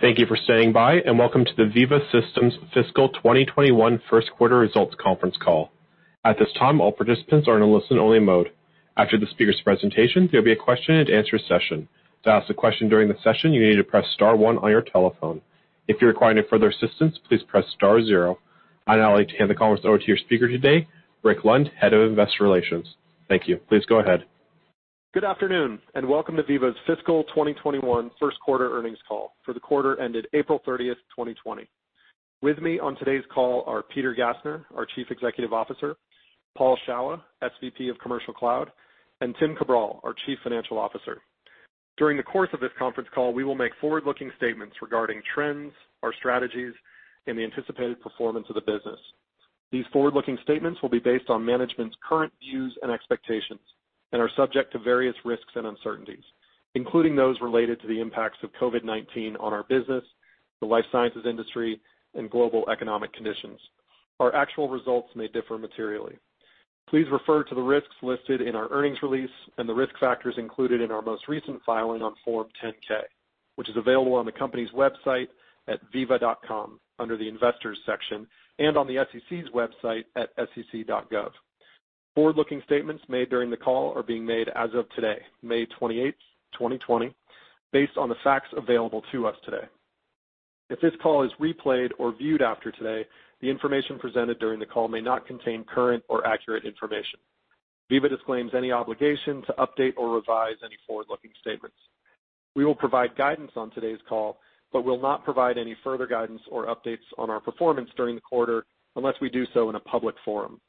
Thank you for staying by, and welcome to the Veeva Systems fiscal 2021 first quarter results conference call. At this time, all participants are in a listen-only mode. After the speakers' presentation, there'll be a question-and-answer session. To ask a question during the session, you need to press star one on your telephone. If you require any further assistance, please press star zero. I'd now like to hand the conference over to your speaker today, Rick Lund, Head of Investor Relations. Thank you. Please go ahead. Good afternoon, and welcome to Veeva's fiscal 2021 first quarter earnings call for the quarter ended April 30th, 2020. With me on today's call are Peter Gassner, our Chief Executive Officer, Paul Shawah, SVP of Commercial Cloud, and Tim Cabral, our Chief Financial Officer. During the course of this conference call, we will make forward-looking statements regarding trends, our strategies, and the anticipated performance of the business. These forward-looking statements will be based on management's current views and expectations and are subject to various risks and uncertainties, including those related to the impacts of COVID-19 on our business, the life sciences industry, and global economic conditions. Our actual results may differ materially. Please refer to the risks listed in our earnings release and the risk factors included in our most recent filing on Form 10-K, which is available on the company's website at veeva.com under the investors section and on the SEC's website at sec.gov. Forward-looking statements made during the call are being made as of today, May 28th, 2020, based on the facts available to us today. If this call is replayed or viewed after today, the information presented during the call may not contain current or accurate information. Veeva disclaims any obligation to update or revise any forward-looking statements. We will provide guidance on today's call but will not provide any further guidance or updates on our performance during the quarter unless we do so in a public forum.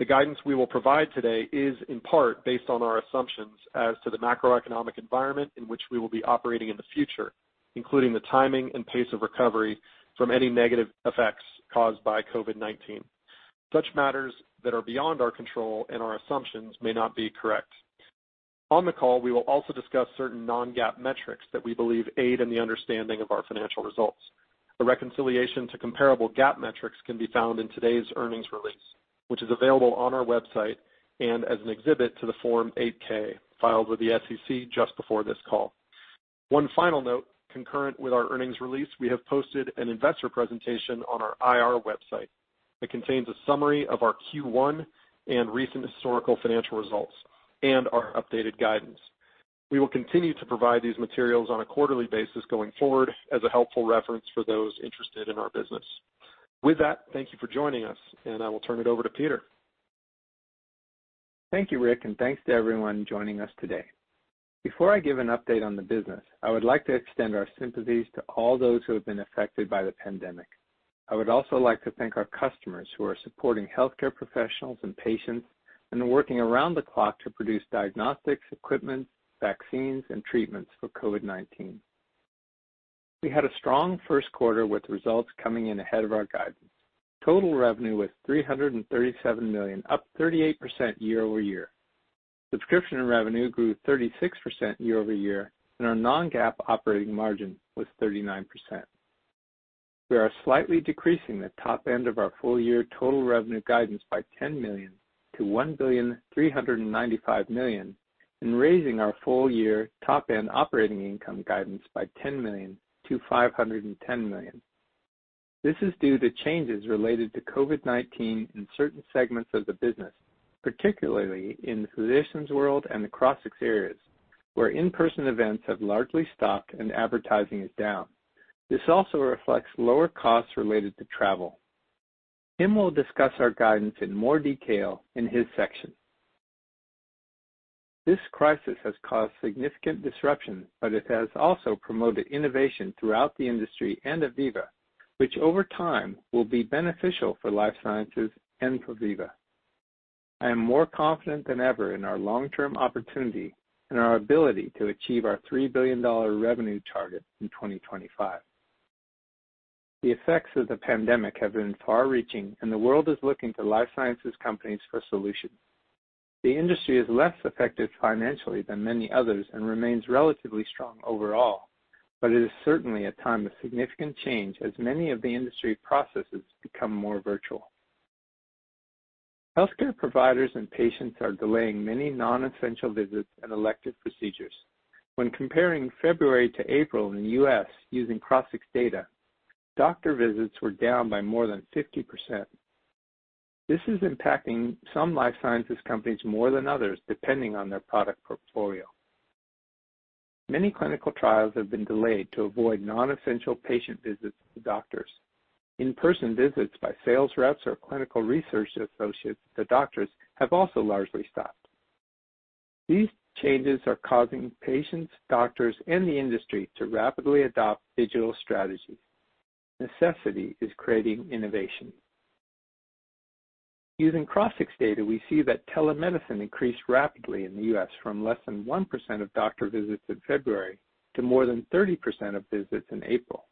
The guidance we will provide today is, in part, based on our assumptions as to the macroeconomic environment in which we will be operating in the future, including the timing and pace of recovery from any negative effects caused by COVID-19. Such matters that are beyond our control and our assumptions may not be correct. On the call, we will also discuss certain non-GAAP metrics that we believe aid in the understanding of our financial results. A reconciliation to comparable GAAP metrics can be found in today's earnings release, which is available on our website and as an exhibit to the Form 8-K filed with the SEC just before this call. One final note, concurrent with our earnings release, we have posted an investor presentation on our IR website that contains a summary of our Q1 and recent historical financial results and our updated guidance. We will continue to provide these materials on a quarterly basis going forward as a helpful reference for those interested in our business. With that, thank you for joining us, and I will turn it over to Peter. Thank you, Rick, and thanks to everyone joining us today. Before I give an update on the business, I would like to extend our sympathies to all those who have been affected by the pandemic. I would also like to thank our customers who are supporting healthcare professionals and patients and are working around the clock to produce diagnostics, equipment, vaccines, and treatments for COVID-19. We had a strong first quarter with results coming in ahead of our guidance. Total revenue was $337 million, up 38% year-over-year. Subscription revenue grew 36% year-over-year, and our non-GAAP operating margin was 39%. We are slightly decreasing the top end of our full-year total revenue guidance by $10 million to $1.395 billion and raising our full-year top-end operating income guidance by $10 million to $510 million. This is due to changes related to COVID-19 in certain segments of the business, particularly in the Physicians World and the Crossix areas, where in-person events have largely stopped and advertising is down. This also reflects lower costs related to travel. Tim will discuss our guidance in more detail in his section. This crisis has caused significant disruption, but it has also promoted innovation throughout the industry and at Veeva, which over time will be beneficial for life sciences and for Veeva. I am more confident than ever in our long-term opportunity and our ability to achieve our $3 billion revenue target in 2025. The effects of the pandemic have been far-reaching, and the world is looking to life sciences companies for solutions. The industry is less affected financially than many others and remains relatively strong overall, but it is certainly a time of significant change as many of the industry processes become more virtual. Healthcare providers and patients are delaying many non-essential visits and elective procedures. When comparing February to April in the U.S. using Crossix data, doctor visits were down by more than 50%. This is impacting some life sciences companies more than others, depending on their product portfolio. Many clinical trials have been delayed to avoid non-essential patient visits to doctors. In-person visits by sales reps or clinical research associates to doctors have also largely stopped. These changes are causing patients, doctors, and the industry to rapidly adopt digital strategies. Necessity is creating innovation. Using Crossix data, we see that telemedicine increased rapidly in the U.S. from less than 1% of doctor visits in February to more than 30% of visits in April.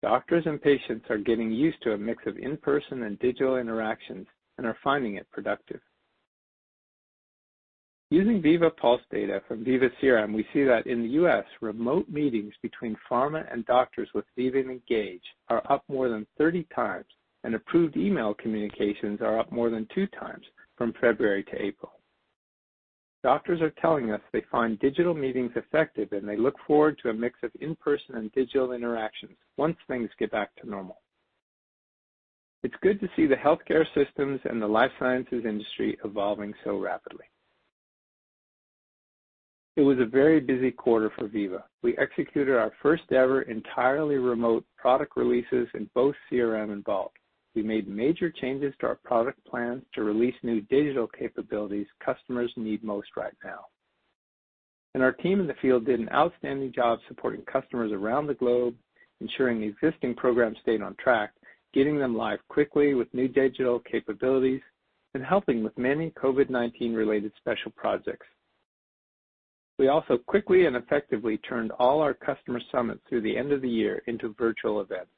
Doctors and patients are getting used to a mix of in-person and digital interactions and are finding it productive. Using Veeva Pulse data from Veeva CRM, we see that in the U.S., remote meetings between pharma and doctors with Veeva Engage are up more than 30 times, and Approved Email communications are up more than two times from February to April. Doctors are telling us they find digital meetings effective, and they look forward to a mix of in-person and digital interactions once things get back to normal. It's good to see the healthcare systems and the life sciences industry evolving so rapidly. It was a very busy quarter for Veeva. We executed our first ever entirely remote product releases in both CRM and Vault. We made major changes to our product plan to release new digital capabilities customers need most right now. Our team in the field did an outstanding job supporting customers around the globe, ensuring existing programs stayed on track, getting them live quickly with new digital capabilities, and helping with many COVID-19 related special projects. We also quickly and effectively turned all our customer summits through the end of the year into virtual events.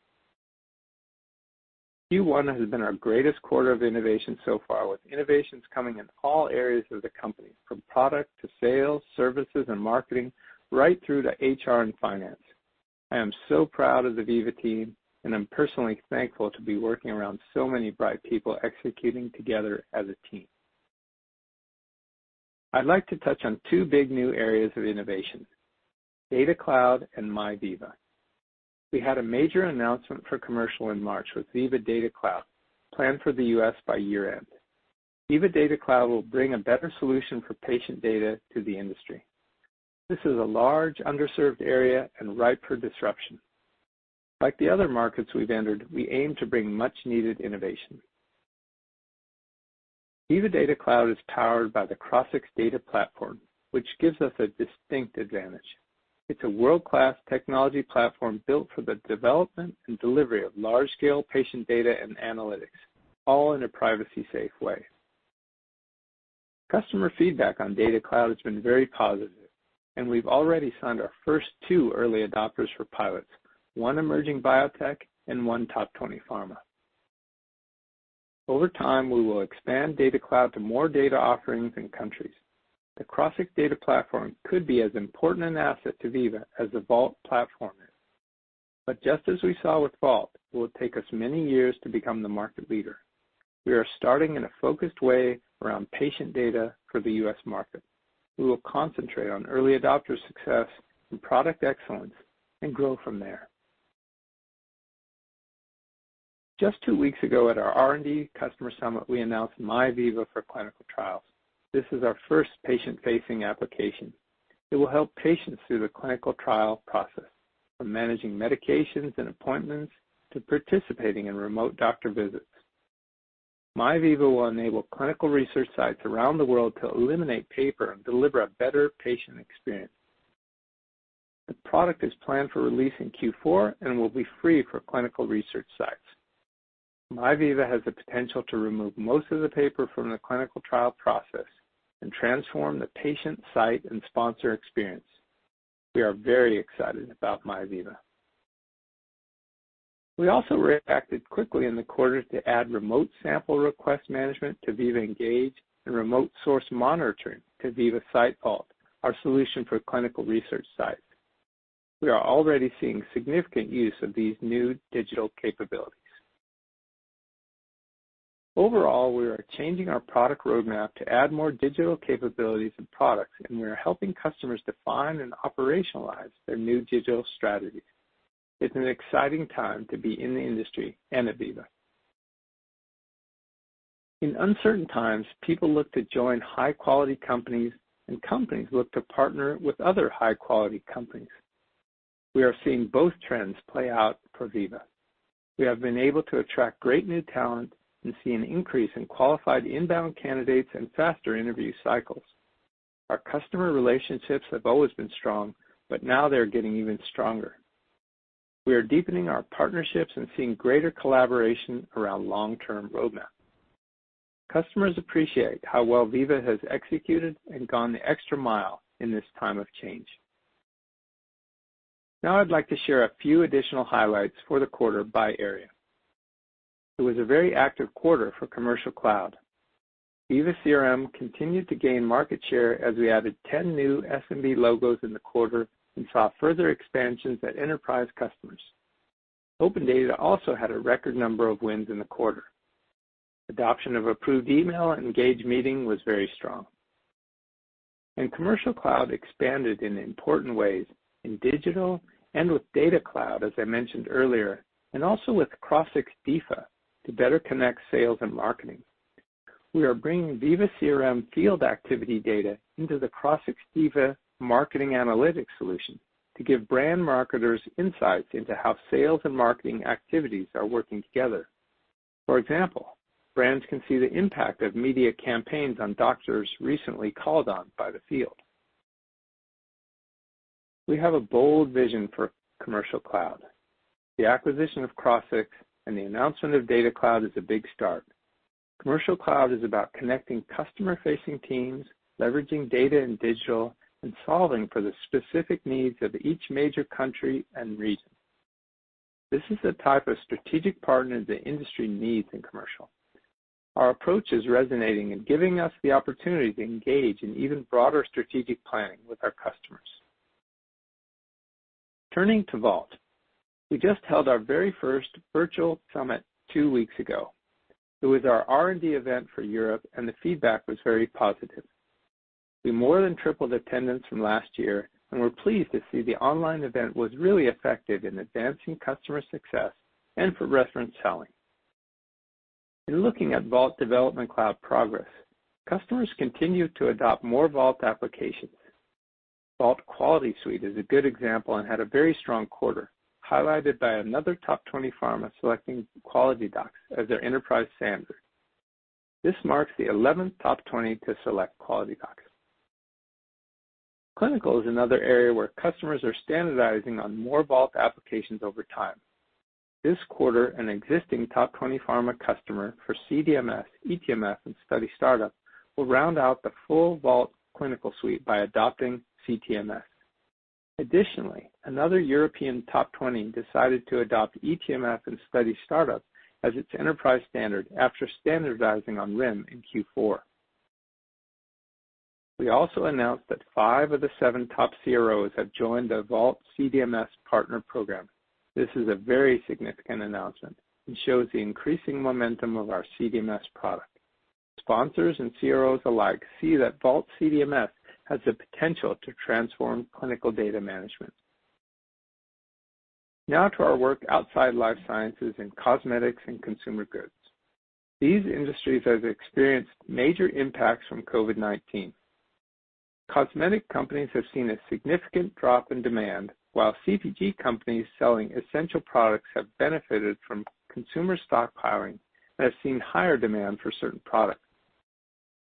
Q1 has been our greatest quarter of innovation so far, with innovations coming in all areas of the company, from product to sales, services, and marketing, right through to HR and finance. I am so proud of the Veeva team, and I'm personally thankful to be working around so many bright people executing together as a team. I'd like to touch on two big new areas of innovation, Data Cloud and MyVeeva. We had a major announcement for commercial in March with Veeva Data Cloud planned for the U.S. by year-end. Veeva Data Cloud will bring a better solution for patient data to the industry. This is a large, underserved area and ripe for disruption. Like the other markets we've entered, we aim to bring much-needed innovation. Veeva Data Cloud is powered by the Crossix Data Platform, which gives us a distinct advantage. It's a world-class technology platform built for the development and delivery of large-scale patient data and analytics, all in a privacy-safe way. Customer feedback on Data Cloud has been very positive, and we've already signed our first two early adopters for pilots, one emerging biotech and one top 20 pharma. Over time, we will expand Data Cloud to more data offerings and countries. The Crossix Data Platform could be as important an asset to Veeva as the Vault platform is. Just as we saw with Vault, it will take us many years to become the market leader. We are starting in a focused way around patient data for the U.S. market. We will concentrate on early adopter success and product excellence and grow from there. Just two weeks ago at our R&D customer summit, we announced MyVeeva for clinical trials. This is our first patient-facing application. It will help patients through the clinical trial process, from managing medications and appointments to participating in remote doctor visits. MyVeeva will enable clinical research sites around the world to eliminate paper and deliver a better patient experience. The product is planned for release in Q4 and will be free for clinical research sites. MyVeeva has the potential to remove most of the paper from the clinical trial process and transform the patient site and sponsor experience. We are very excited about MyVeeva. We also reacted quickly in the quarter to add remote sample request management to Veeva Engage and remote source monitoring to Veeva SiteVault, our solution for clinical research sites. We are already seeing significant use of these new digital capabilities. Overall, we are changing our product roadmap to add more digital capabilities and products, and we are helping customers define and operationalize their new digital strategies. It's an exciting time to be in the industry and at Veeva. In uncertain times, people look to join high-quality companies, and companies look to partner with other high-quality companies. We are seeing both trends play out for Veeva. We have been able to attract great new talent and see an increase in qualified inbound candidates and faster interview cycles. Our customer relationships have always been strong, but now they're getting even stronger. We are deepening our partnerships and seeing greater collaboration around long-term roadmap. Customers appreciate how well Veeva has executed and gone the extra mile in this time of change. Now I'd like to share a few additional highlights for the quarter by area. It was a very active quarter for Commercial Cloud. Veeva CRM continued to gain market share as we added 10 new SMB logos in the quarter and saw further expansions at enterprise customers. OpenData also had a record number of wins in the quarter. Adoption of Approved Email and Engage Meeting was very strong. Commercial Cloud expanded in important ways in digital and with Data Cloud, as I mentioned earlier, and also with Crossix DIFA to better connect sales and marketing. We are bringing Veeva CRM field activity data into the Crossix DIFA marketing analytics solution to give brand marketers insights into how sales and marketing activities are working together. For example, brands can see the impact of media campaigns on doctors recently called on by the field. We have a bold vision for Commercial Cloud. The acquisition of Crossix and the announcement of Data Cloud is a big start. Commercial Cloud is about connecting customer-facing teams, leveraging data and digital, and solving for the specific needs of each major country and region. This is the type of strategic partner the industry needs in commercial. Our approach is resonating and giving us the opportunity to engage in even broader strategic planning with our customers. Turning to Vault. We just held our very first virtual summit two weeks ago. It was our R&D event for Europe. The feedback was very positive. We more than tripled attendance from last year. We're pleased to see the online event was really effective in advancing customer success and for reference selling. In looking at Vault Development Cloud progress, customers continue to adopt more Vault applications. Vault Quality Suite is a good example and had a very strong quarter, highlighted by another top 20 pharma selecting QualityDocs as their enterprise standard. This marks the 11th top 20 to select QualityDocs. Clinical is another area where customers are standardizing on more Vault applications over time. This quarter, an existing top 20 pharma customer for CDMS, eTMF, and Study Startup will round out the full Vault Clinical Suite by adopting CTMS. Additionally, another European top 20 decided to adopt eTMF and Study Startup as its enterprise standard after standardizing on RIM in Q4. We also announced that five of the seven top CROs have joined the Vault CDMS Partner Program. This is a very significant announcement and shows the increasing momentum of our CDMS product. Sponsors and CROs alike see that Vault CDMS has the potential to transform clinical data management. Now to our work outside life sciences in cosmetics and consumer goods. These industries have experienced major impacts from COVID-19. Cosmetic companies have seen a significant drop in demand, while CPG companies selling essential products have benefited from consumer stockpiling and have seen higher demand for certain products.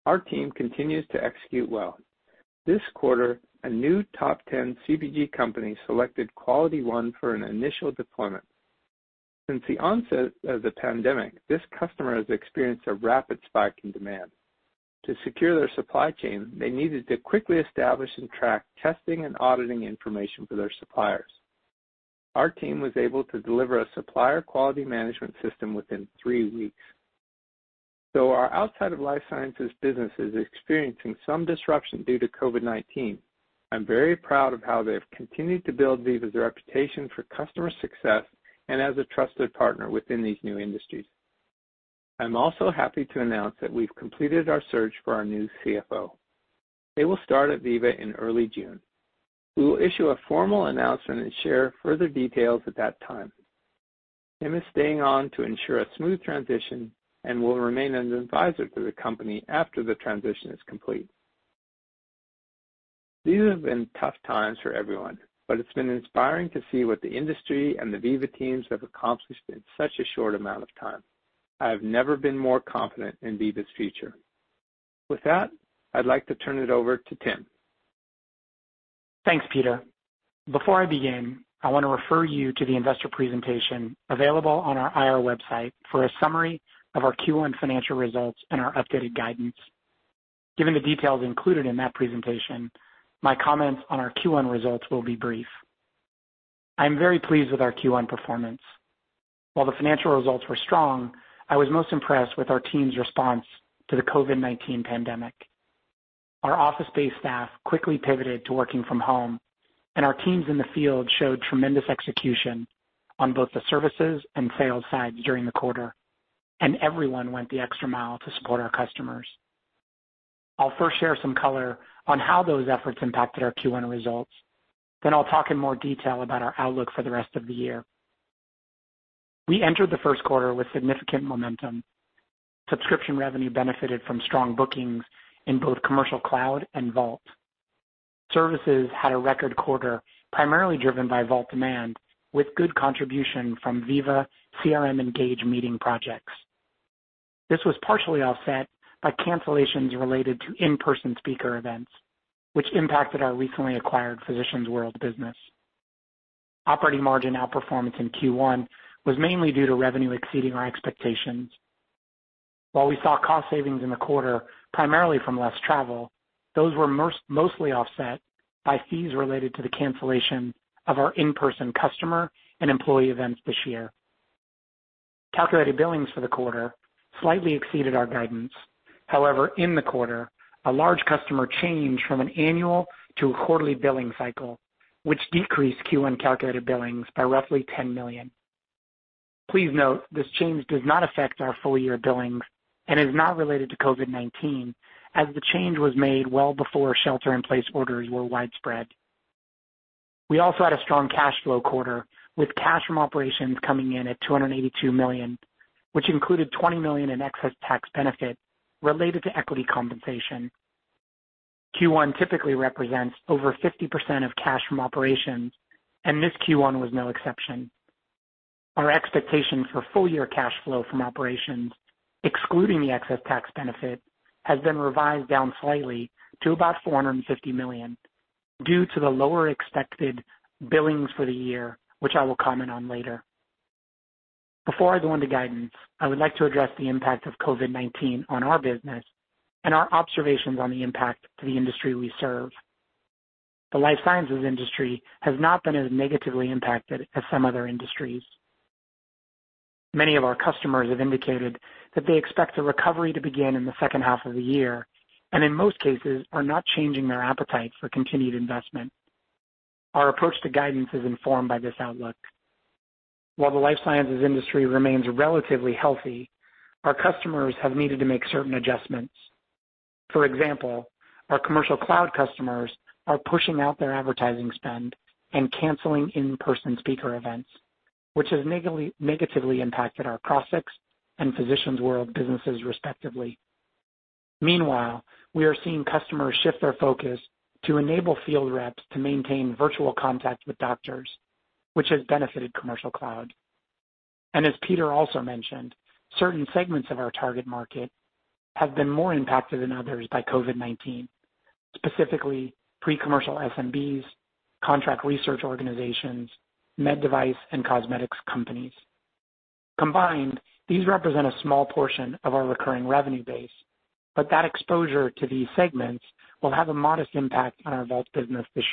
Our team continues to execute well. This quarter, a new top 10 CPG company selected QualityOne for an initial deployment. Since the onset of the pandemic, this customer has experienced a rapid spike in demand. To secure their supply chain, they needed to quickly establish and track testing and auditing information for their suppliers. Our team was able to deliver a supplier quality management system within three weeks. Though our outside of life sciences business is experiencing some disruption due to COVID-19, I'm very proud of how they have continued to build Veeva's reputation for customer success and as a trusted partner within these new industries. I'm also happy to announce that we've completed our search for our new CFO. They will start at Veeva in early June. We will issue a formal announcement and share further details at that time. Tim is staying on to ensure a smooth transition and will remain an advisor to the company after the transition is complete. These have been tough times for everyone, but it's been inspiring to see what the industry and the Veeva teams have accomplished in such a short amount of time. I have never been more confident in Veeva's future. With that, I'd like to turn it over to Tim. Thanks, Peter. Before I begin, I want to refer you to the investor presentation available on our IR website for a summary of our Q1 financial results and our updated guidance. Given the details included in that presentation, my comments on our Q1 results will be brief. I am very pleased with our Q1 performance. While the financial results were strong, I was most impressed with our team's response to the COVID-19 pandemic. Our office-based staff quickly pivoted to working from home, and our teams in the field showed tremendous execution on both the services and sales sides during the quarter, and everyone went the extra mile to support our customers. I'll first share some color on how those efforts impacted our Q1 results. I'll talk in more detail about our outlook for the rest of the year. We entered the first quarter with significant momentum. Subscription revenue benefited from strong bookings in both Commercial Cloud and Vault. Services had a record quarter, primarily driven by Vault demand, with good contribution from Veeva CRM Engage Meeting projects. This was partially offset by cancellations related to in-person speaker events, which impacted our recently acquired Physicians World business. Operating margin outperformance in Q1 was mainly due to revenue exceeding our expectations. While we saw cost savings in the quarter, primarily from less travel, those were mostly offset by fees related to the cancellation of our in-person customer and employee events this year. Calculated billings for the quarter slightly exceeded our guidance. In the quarter, a large customer changed from an annual to a quarterly billing cycle, which decreased Q1 calculated billings by roughly $10 million. Please note, this change does not affect our full-year billings and is not related to COVID-19, as the change was made well before shelter-in-place orders were widespread. We also had a strong cash flow quarter, with cash from operations coming in at $282 million, which included $20 million in excess tax benefit related to equity compensation. Q1 typically represents over 50% of cash from operations, and this Q1 was no exception. Our expectation for full-year cash flow from operations, excluding the excess tax benefit, has been revised down slightly to about $450 million due to the lower expected billings for the year, which I will comment on later. Before I go into guidance, I would like to address the impact of COVID-19 on our business and our observations on the impact to the industry we serve. The life sciences industry has not been as negatively impacted as some other industries. Many of our customers have indicated that they expect a recovery to begin in the second half of the year, and in most cases are not changing their appetite for continued investment. Our approach to guidance is informed by this outlook. While the life sciences industry remains relatively healthy, our customers have needed to make certain adjustments. For example, our Commercial Cloud customers are pushing out their advertising spend and canceling in-person speaker events, which has negatively impacted our Crossix and Physicians World businesses respectively. Meanwhile, we are seeing customers shift their focus to enable field reps to maintain virtual contact with doctors, which has benefited Commercial Cloud. As Peter also mentioned, certain segments of our target market have been more impacted than others by COVID-19, specifically pre-commercial SMBs, contract research organizations, med device, and cosmetics companies. Combined, these represent a small portion of our recurring revenue base, but that exposure to these segments will have a modest impact on our Vault business this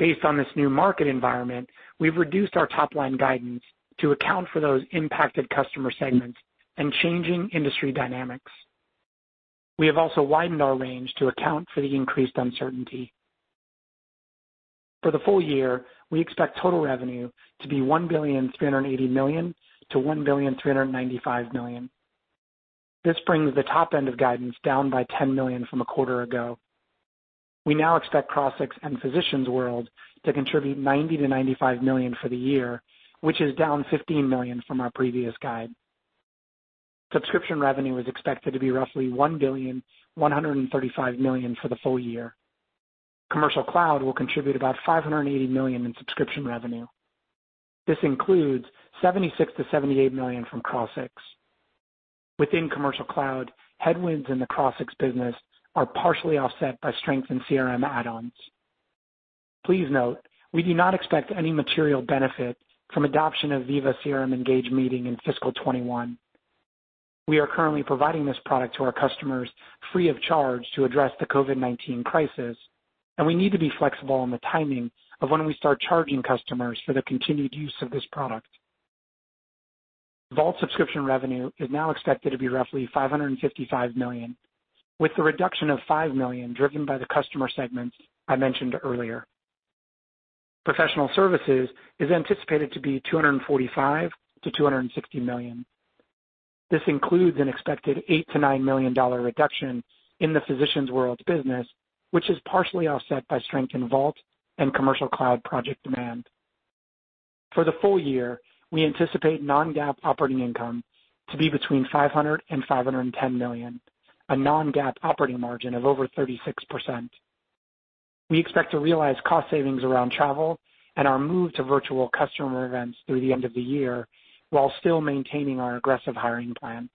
year. Based on this new market environment, we've reduced our top-line guidance to account for those impacted customer segments and changing industry dynamics. We have also widened our range to account for the increased uncertainty. For the full year, we expect total revenue to be $1.38 billion-$1.395 billion. This brings the top end of guidance down by $10 million from a quarter ago. We now expect Crossix and Physicians World to contribute $90 million-$95 million for the year, which is down $15 million from our previous guide. Subscription revenue is expected to be roughly $1.135 billion for the full year. Commercial Cloud will contribute about $580 million in subscription revenue. This includes $76 million-$78 million from Crossix. Within Commercial Cloud, headwinds in the Crossix business are partially offset by strength in CRM add-ons. Please note, we do not expect any material benefit from adoption of Veeva CRM Engage Meeting in fiscal 2021. We are currently providing this product to our customers free of charge to address the COVID-19 crisis, and we need to be flexible in the timing of when we start charging customers for the continued use of this product. Vault subscription revenue is now expected to be roughly $555 million, with a reduction of $5 million driven by the customer segments I mentioned earlier. Professional services is anticipated to be $245 million-$260 million. This includes an expected $8 million-$9 million reduction in the Physicians World business, which is partially offset by strength in Vault and Commercial Cloud project demand. For the full year, we anticipate non-GAAP operating income to be between $500 million-$510 million, a non-GAAP operating margin of over 36%. We expect to realize cost savings around travel and our move to virtual customer events through the end of the year, while still maintaining our aggressive hiring plan.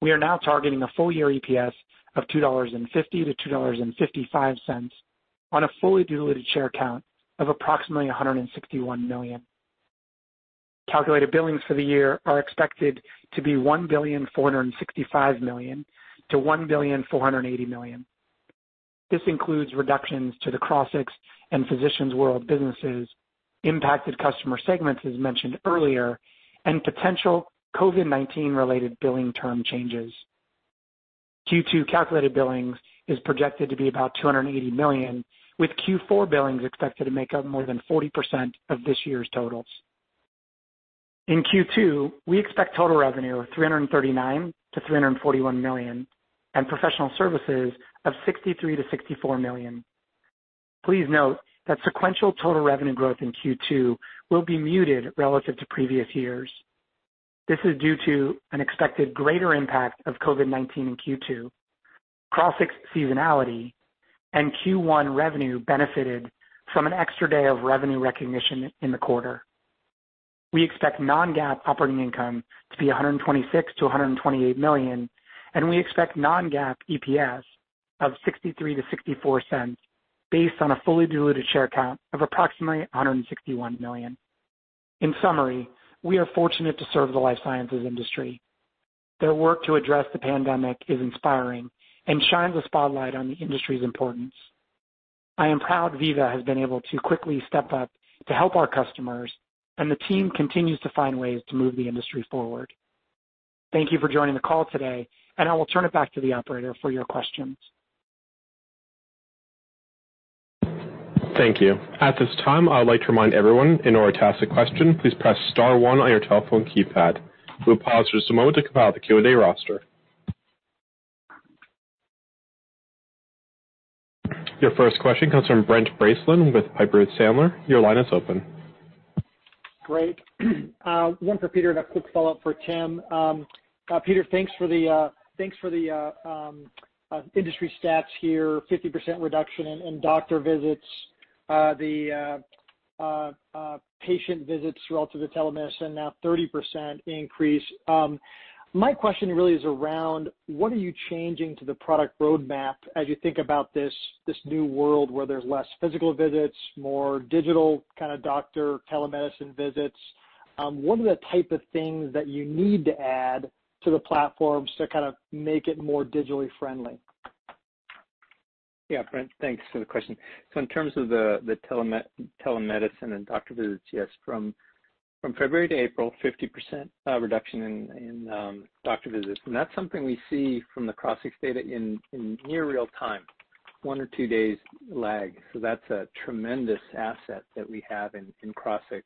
We are now targeting a full-year EPS of $2.50-$2.55 on a fully diluted share count of approximately 161 million. Calculated billings for the year are expected to be $1.465 billion-$1.480 billion. This includes reductions to the Crossix and Physicians World businesses, impacted customer segments as mentioned earlier, and potential COVID-19 related billing term changes. Q2 calculated billings is projected to be about $280 million, with Q4 billings expected to make up more than 40% of this year's totals. In Q2, we expect total revenue of $339 million-$341 million and professional services of $63 million-$64 million. Please note that sequential total revenue growth in Q2 will be muted relative to previous years. This is due to an expected greater impact of COVID-19 in Q2, Crossix seasonality, and Q1 revenue benefited from an extra day of revenue recognition in the quarter. We expect non-GAAP operating income to be $126 million-$128 million, and we expect non-GAAP EPS of $0.63-$0.64 based on a fully diluted share count of approximately 161 million. In summary, we are fortunate to serve the life sciences industry. Their work to address the pandemic is inspiring and shines a spotlight on the industry's importance. I am proud Veeva has been able to quickly step up to help our customers, and the team continues to find ways to move the industry forward. Thank you for joining the call today, and I will turn it back to the operator for your questions. Thank you. At this time, I would like to remind everyone, in order to ask a question, please press star one on your telephone keypad. We'll pause just a moment to compile the Q&A roster. Your first question comes from Brent Bracelin with Piper Sandler. Your line is open. Great. One for Peter and a quick follow-up for Tim. Peter, thanks for the industry stats here. 50% reduction in doctor visits. The patient visits relative to telemedicine now 30% increase. My question really is around what are you changing to the product roadmap as you think about this new world where there's less physical visits, more digital kinda doctor telemedicine visits? What are the type of things that you need to add to the platforms to kind of make it more digitally friendly? Yeah, Brent, thanks for the question. In terms of the telemedicine and doctor visits, yes, from February to April, 50% reduction in doctor visits. That's something we see from the Crossix data in near real time, one or two days lag. That's a tremendous asset that we have in Crossix.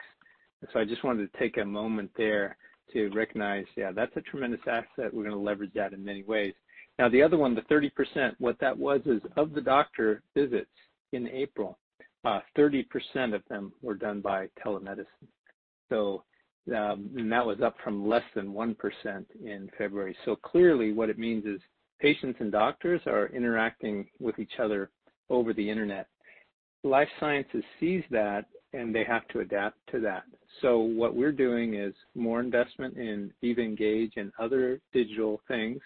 I just wanted to take a moment there to recognize, yeah, that's a tremendous asset. We're gonna leverage that in many ways. The other one, the 30%, what that was is of the doctor visits in April, 30% of them were done by telemedicine. That was up from less than 1% in February. Clearly what it means is patients and doctors are interacting with each other over the internet. Life sciences sees that, they have to adapt to that. What we're doing is more investment in Veeva Engage and other digital things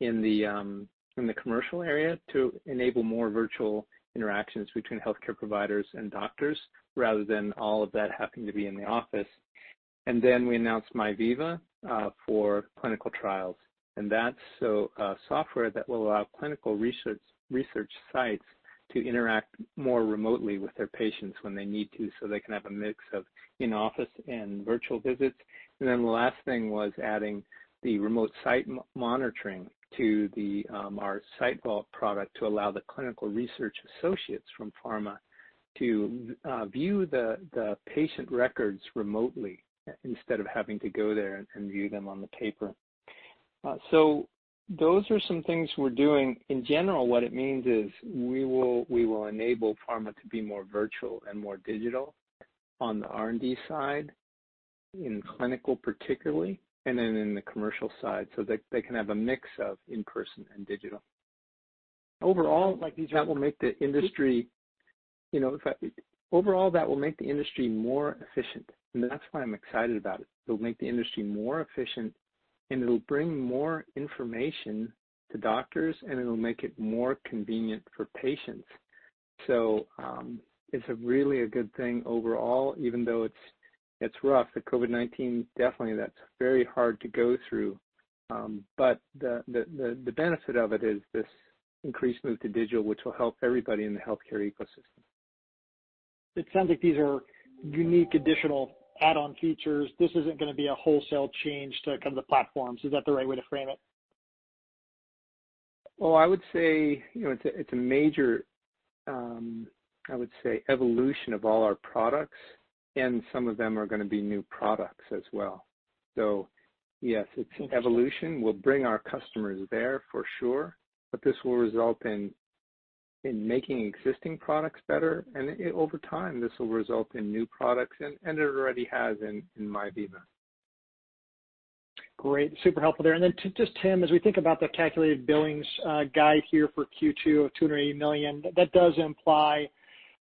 in the commercial area to enable more virtual interactions between healthcare providers and doctors rather than all of that having to be in the office. We announced MyVeeva for clinical trials, that's a software that will allow clinical research sites to interact more remotely with their patients when they need to, so they can have a mix of in-office and virtual visits. The last thing was adding the remote site monitoring to our SiteVault product to allow the clinical research associates from pharma to view the patient records remotely instead of having to go there and view them on the paper. Those are some things we're doing. In general, what it means is we will enable pharma to be more virtual and more digital on the R&D side, in clinical particularly, and then in the commercial side, so they can have a mix of in-person and digital. Overall, that will make the industry more efficient, and that's why I'm excited about it. It'll make the industry more efficient, and it'll bring more information to doctors, and it'll make it more convenient for patients. It's a really a good thing overall even though it's rough. The COVID-19, definitely that's very hard to go through. But the benefit of it is this increased move to digital, which will help everybody in the healthcare ecosystem. It sounds like these are unique additional add-on features. This isn't gonna be a wholesale change to kind of the platforms. Is that the right way to frame it? Well, I would say, you know, it's a major, I would say, evolution of all our products, and some of them are gonna be new products as well. Yes, it's an evolution. We'll bring our customers there for sure, but this will result in making existing products better. Over time, this will result in new products and it already has in MyVeeva. Great. Super helpful there. Then just Tim, as we think about the calculated billings guide here for Q2 of $280 million, that does imply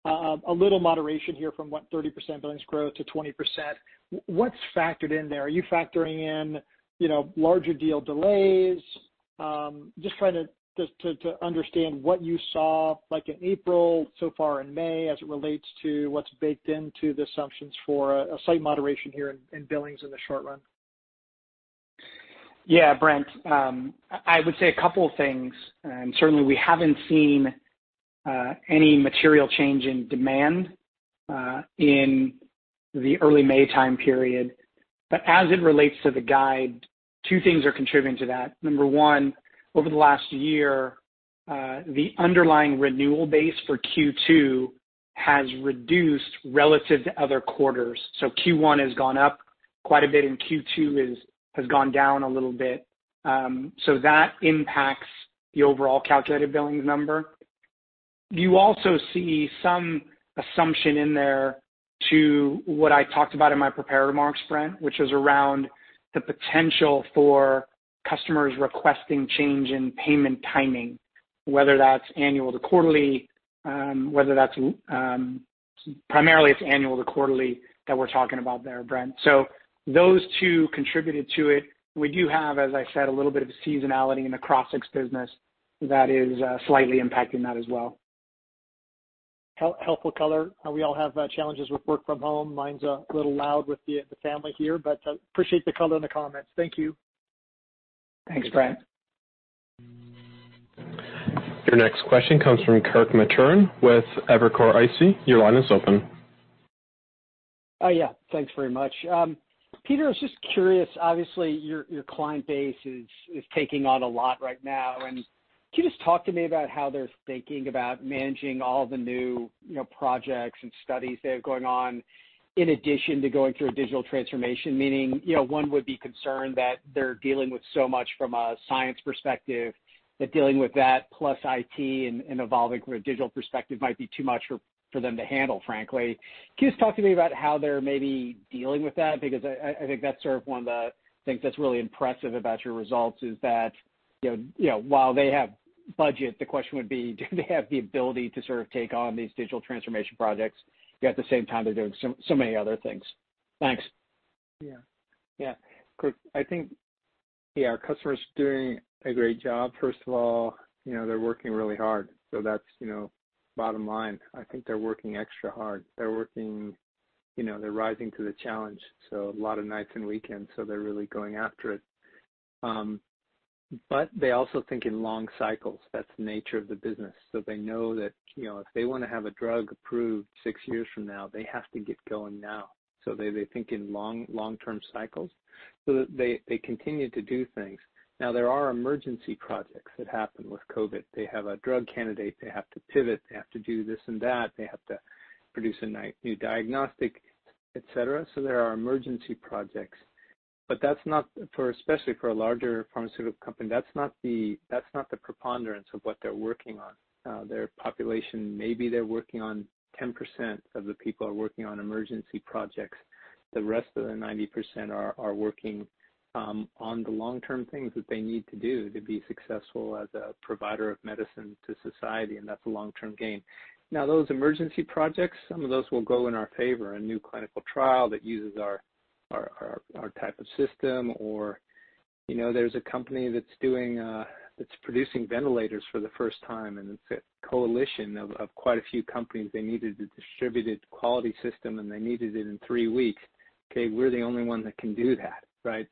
a little moderation here from what, 30% billings growth to 20%. What's factored in there? Are you factoring in, you know, larger deal delays? Just trying to understand what you saw like in April, so far in May as it relates to what's baked into the assumptions for a slight moderation here in billings in the short run. Yeah, Brent. I would say a couple of things, certainly we haven't seen any material change in demand in the early May time period. As it relates to the guide, two things are contributing to that. Number one, over the last year, the underlying renewal base for Q2 has reduced relative to other quarters. Q1 has gone up quite a bit, and Q2 has gone down a little bit. That impacts the overall calculated billings number. You also see some assumption in there to what I talked about in my prepared remarks, Brent, which is around the potential for customers requesting change in payment timing, whether that's annual to quarterly. Primarily it's annual to quarterly that we're talking about there, Brent. Those two contributed to it. We do have, as I said, a little bit of seasonality in the Crossix business that is slightly impacting that as well. Helpful color. We all have challenges with work from home. Mine's a little loud with the family here, but appreciate the color and the comments. Thank you. Thanks, Brent. Your next question comes from Kirk Materne with Evercore ISI. Your line is open. Yeah. Thanks very much. Peter, I was just curious, obviously, your client base is taking on a lot right now. Can you just talk to me about how they're thinking about managing all the new, you know, projects and studies they have going on in addition to going through a digital transformation? Meaning, you know, one would be concerned that they're dealing with so much from a science perspective, that dealing with that plus IT and evolving from a digital perspective might be too much for them to handle, frankly. Can you just talk to me about how they're maybe dealing with that? I think that's sort of one of the things that's really impressive about your results is that, you know, while they have budget, the question would be, do they have the ability to sort of take on these digital transformation projects, yet at the same time they're doing so many other things. Thanks. Yeah, yeah. Kirk, I think, our customers are doing a great job. First of all, you know, they're working really hard, so that's, you know, bottom line. I think they're working extra hard. You know, they're rising to the challenge, so a lot of nights and weekends, so they're really going after it. They also think in long cycles. That's the nature of the business. They know that, you know, if they wanna have a drug approved six years from now, they have to get going now. They, they think in long-term cycles. They, they continue to do things. Now, there are emergency projects that happen with COVID-19. They have a drug candidate they have to pivot, they have to do this and that, they have to produce a new diagnostic, et cetera. There are emergency projects. That's not for especially for a larger pharmaceutical company, that's not the preponderance of what they're working on. Their population, maybe they're working on 10% of the people are working on emergency projects. The rest of the 90% are working on the long-term things that they need to do to be successful as a provider of medicine to society, and that's a long-term gain. Those emergency projects, some of those will go in our favor. A new clinical trial that uses our type of system or, you know, there's a company that's doing that's producing ventilators for the first time, and it's a coalition of quite a few companies. They needed a distributed quality system, and they needed it in three weeks. We're the only one that can do that, right?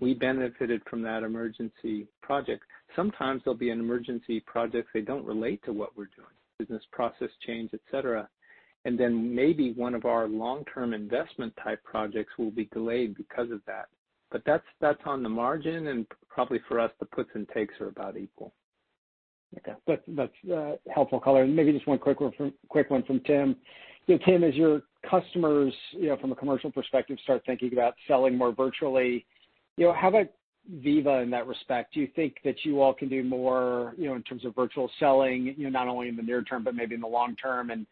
We benefited from that emergency project. Sometimes there'll be an emergency project, they don't relate to what we're doing, business process change, et cetera. Then maybe one of our long-term investment type projects will be delayed because of that. That's on the margin, and probably for us, the puts and takes are about equal. Okay. That's helpful color. Maybe just one quick one from Tim. You know, Tim, as your customers, you know, from a commercial perspective, start thinking about selling more virtually, you know, how about Veeva in that respect? Do you think that you all can do more, you know, in terms of virtual selling, you know, not only in the near term, but maybe in the long term? You know,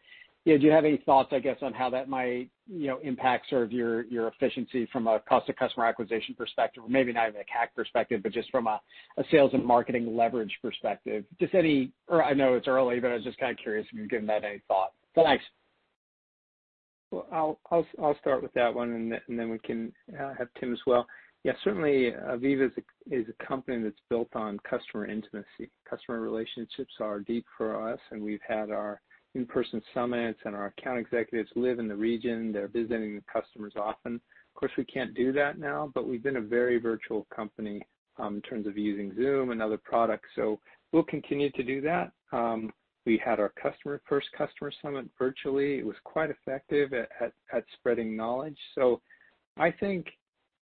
do you have any thoughts, I guess, on how that might, you know, impact sort of your efficiency from a cost to customer acquisition perspective? Or maybe not even a CAC perspective, but just from a sales and marketing leverage perspective. Just any or I know it's early, but I was just kinda curious if you've given that any thought. Thanks. Well, I'll start with that one, and then we can have Tim as well. Yeah, certainly, Veeva's a company that's built on customer intimacy. Customer relationships are deep for us, and we've had our in-person summits, and our account executives live in the region. They're visiting the customers often. Of course, we can't do that now, but we've been a very virtual company in terms of using Zoom and other products, so we'll continue to do that. We had our first customer summit virtually. It was quite effective at spreading knowledge. I think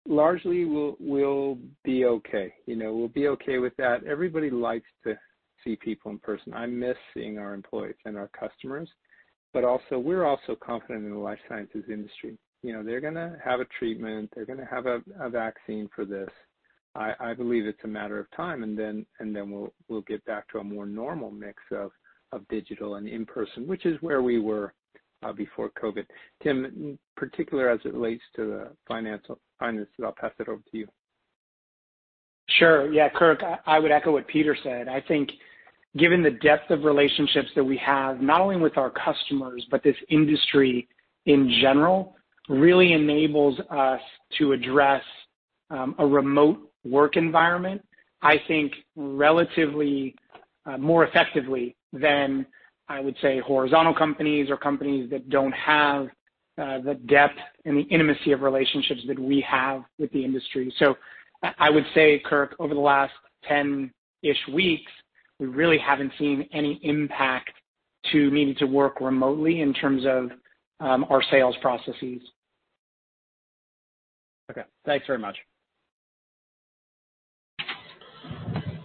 largely we'll be okay. You know, we'll be okay with that. Everybody likes to see people in person. I miss seeing our employees and our customers, but also, we're also confident in the life sciences industry. You know, they're gonna have a treatment. They're gonna have a vaccine for this. I believe it's a matter of time, and then we'll get back to a more normal mix of digital and in-person, which is where we were before COVID. Tim, particular as it relates to the financial finances, I'll pass it over to you. Sure. Yeah, Kirk, I would echo what Peter said. I think given the depth of relationships that we have, not only with our customers, but this industry in general, really enables us to address a remote work environment, I think relatively more effectively than, I would say, horizontal companies or companies that don't have the depth and the intimacy of relationships that we have with the industry. I would say, Kirk, over the last 10-ish weeks, we really haven't seen any impact to needing to work remotely in terms of our sales processes. Okay. Thanks very much.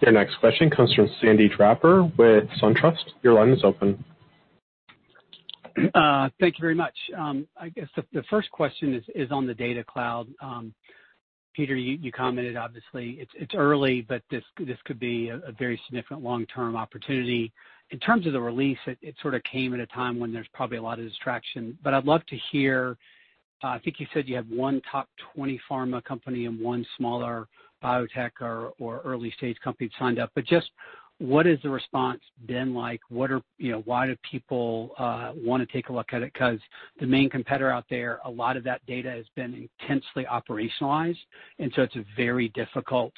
Your next question comes from Sandy Draper with SunTrust. Your line is open. Thank you very much. I guess the first question is on the Data Cloud. Peter, you commented obviously it's early, but this could be a very significant long-term opportunity. In terms of the release, it sort of came at a time when there's probably a lot of distraction. I'd love to hear, I think you said you have one top 20 pharma company and one smaller biotech or early-stage company signed up. Just what has the response been like? What are you know, why do people wanna take a look at it? 'Cause the main competitor out there, a lot of that data has been intensely operationalized, and so it's a very difficult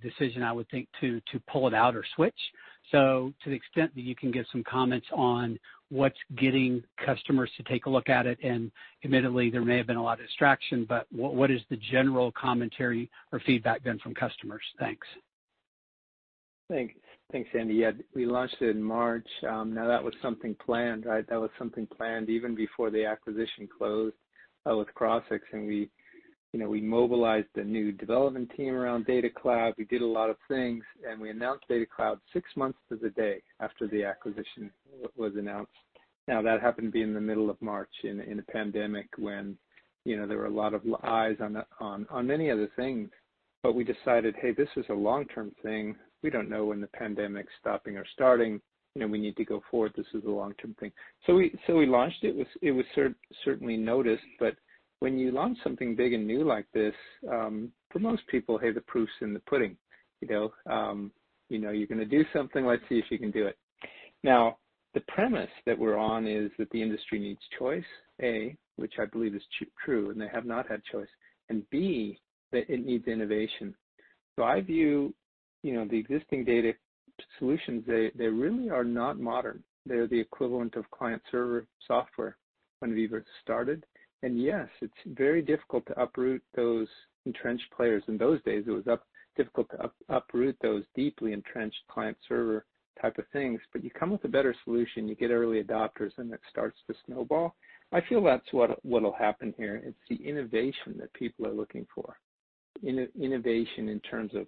decision, I would think, to pull it out or switch. To the extent that you can give some comments on what's getting customers to take a look at it, and admittedly there may have been a lot of distraction, but what has the general commentary or feedback been from customers? Thanks. Thanks. Thanks, Sandy. Yeah, we launched it in March. That was something planned, right? That was something planned even before the acquisition closed with Crossix, and we, you know, we mobilized a new development team around Data Cloud. We did a lot of things, and we announced Data Cloud six months to the day after the acquisition was announced. That happened to be in the middle of March in a pandemic when, you know, there were a lot of eyes on many other things. We decided, hey, this is a long-term thing. We don't know when the pandemic's stopping or starting. You know, we need to go forward. This is a long-term thing. We launched it. It was, it was certainly noticed, but when you launch something big and new like this, for most people, hey, the proof's in the pudding, you know? You know, you're gonna do something, let's see if you can do it. The premise that we're on is that the industry needs choice, A, which I believe is true, and they have not had choice, and B, that it needs innovation. I view, you know, the existing data solutions, they really are not modern. They're the equivalent of client-server software when Veeva started. Yes, it's very difficult to uproot those entrenched players. In those days, it was difficult to uproot those deeply entrenched client-server type of things. You come with a better solution, you get early adopters, and it starts to snowball. I feel that's what'll happen here. It's the innovation that people are looking for. Innovation in terms of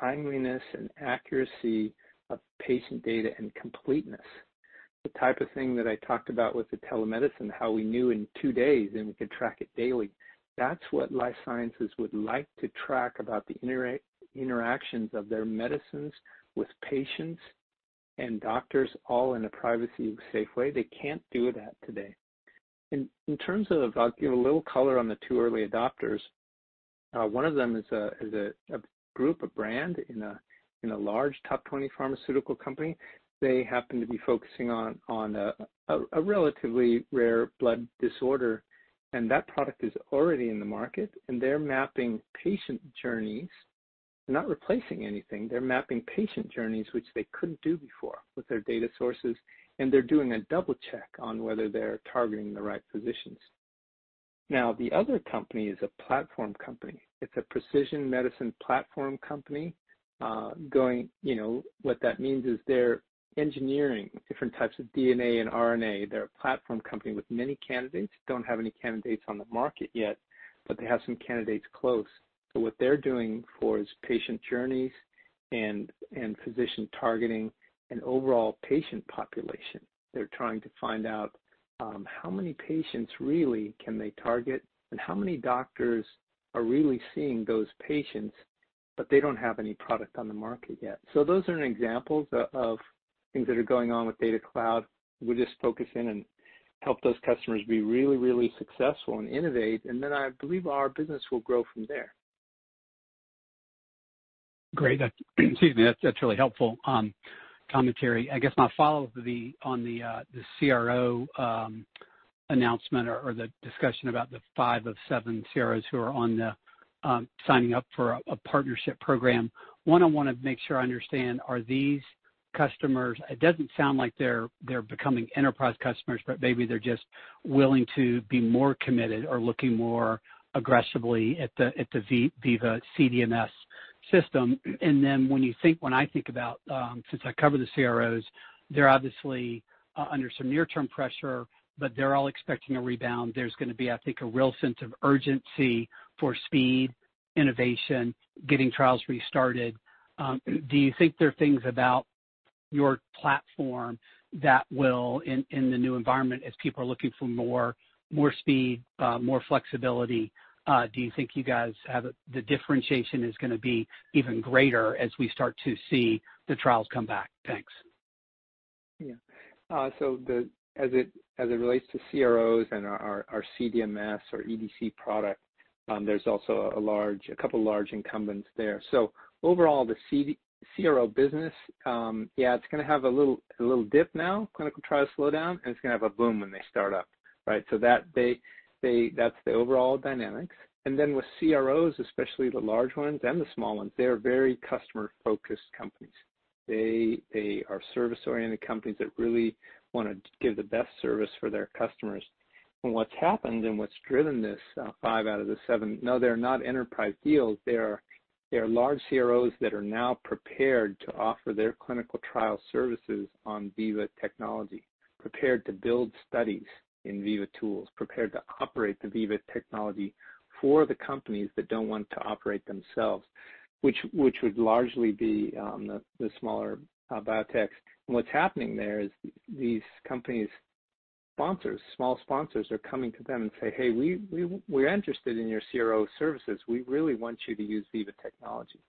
timeliness and accuracy of patient data and completeness. The type of thing that I talked about with the telemedicine, how we knew in two days, and we could track it daily. That's what life sciences would like to track about the interactions of their medicines with patients and doctors all in a privacy and safe way. They can't do that today. In terms of, I'll give a little color on the two early adopters. One of them is a group, a brand in a large top 20 pharmaceutical company. They happen to be focusing on a relatively rare blood disorder, and that product is already in the market, and they're mapping patient journeys. They're not replacing anything. They're mapping patient journeys, which they couldn't do before with their data sources, and they're doing a double check on whether they're targeting the right physicians. The other company is a platform company. It's a precision medicine platform company. You know, what that means is they're engineering different types of DNA and RNA. They're a platform company with many candidates. Don't have any candidates on the market yet, but they have some candidates close. What they're doing for is patient journeys and physician targeting and overall patient population. They're trying to find out how many patients really can they target and how many doctors are really seeing those patients, but they don't have any product on the market yet. Those are examples of things that are going on with Data Cloud. We just focus in and help those customers be really, really successful and innovate, and I believe our business will grow from there. Great. That's, excuse me, that's really helpful commentary. I guess my follow-up would be on the CRO announcement or the discussion about the five of seven CROs who are on the signing up for a partnership program. One, I wanna make sure I understand. Are these customers? It doesn't sound like they're becoming enterprise customers, but maybe they're just willing to be more committed or looking more aggressively at the Veeva CDMS system. When I think about, since I cover the CROs, they're obviously under some near-term pressure, but they're all expecting a rebound. There's gonna be, I think, a real sense of urgency for speed, innovation, getting trials restarted. Do you think there are things about your platform that will, in the new environment, as people are looking for more speed, more flexibility, do you think you guys the differentiation is gonna be even greater as we start to see the trials come back? Thanks. Yeah. As it relates to CROs and our CDMS or EDC product, there's also a large, a couple large incumbents there. So overall, the CRO business, it's gonna have a little dip now, clinical trials slow down, and it's gonna have a boom when they start up, right? That's the overall dynamics. With CROs, especially the large ones and the small ones, they are very customer-focused companies. They are service-oriented companies that really wanna give the best service for their customers. What's happened and what's driven this, five out of the seven, no, they're not enterprise deals, they are large CROs that are now prepared to offer their clinical trial services on Veeva technology, prepared to build studies in Veeva tools, prepared to operate the Veeva technology for the companies that don't want to operate themselves, which would largely be the smaller biotechs. What's happening there is these companies' sponsors, small sponsors, are coming to them and say, "Hey, we're interested in your CRO services. We really want you to use Veeva technology."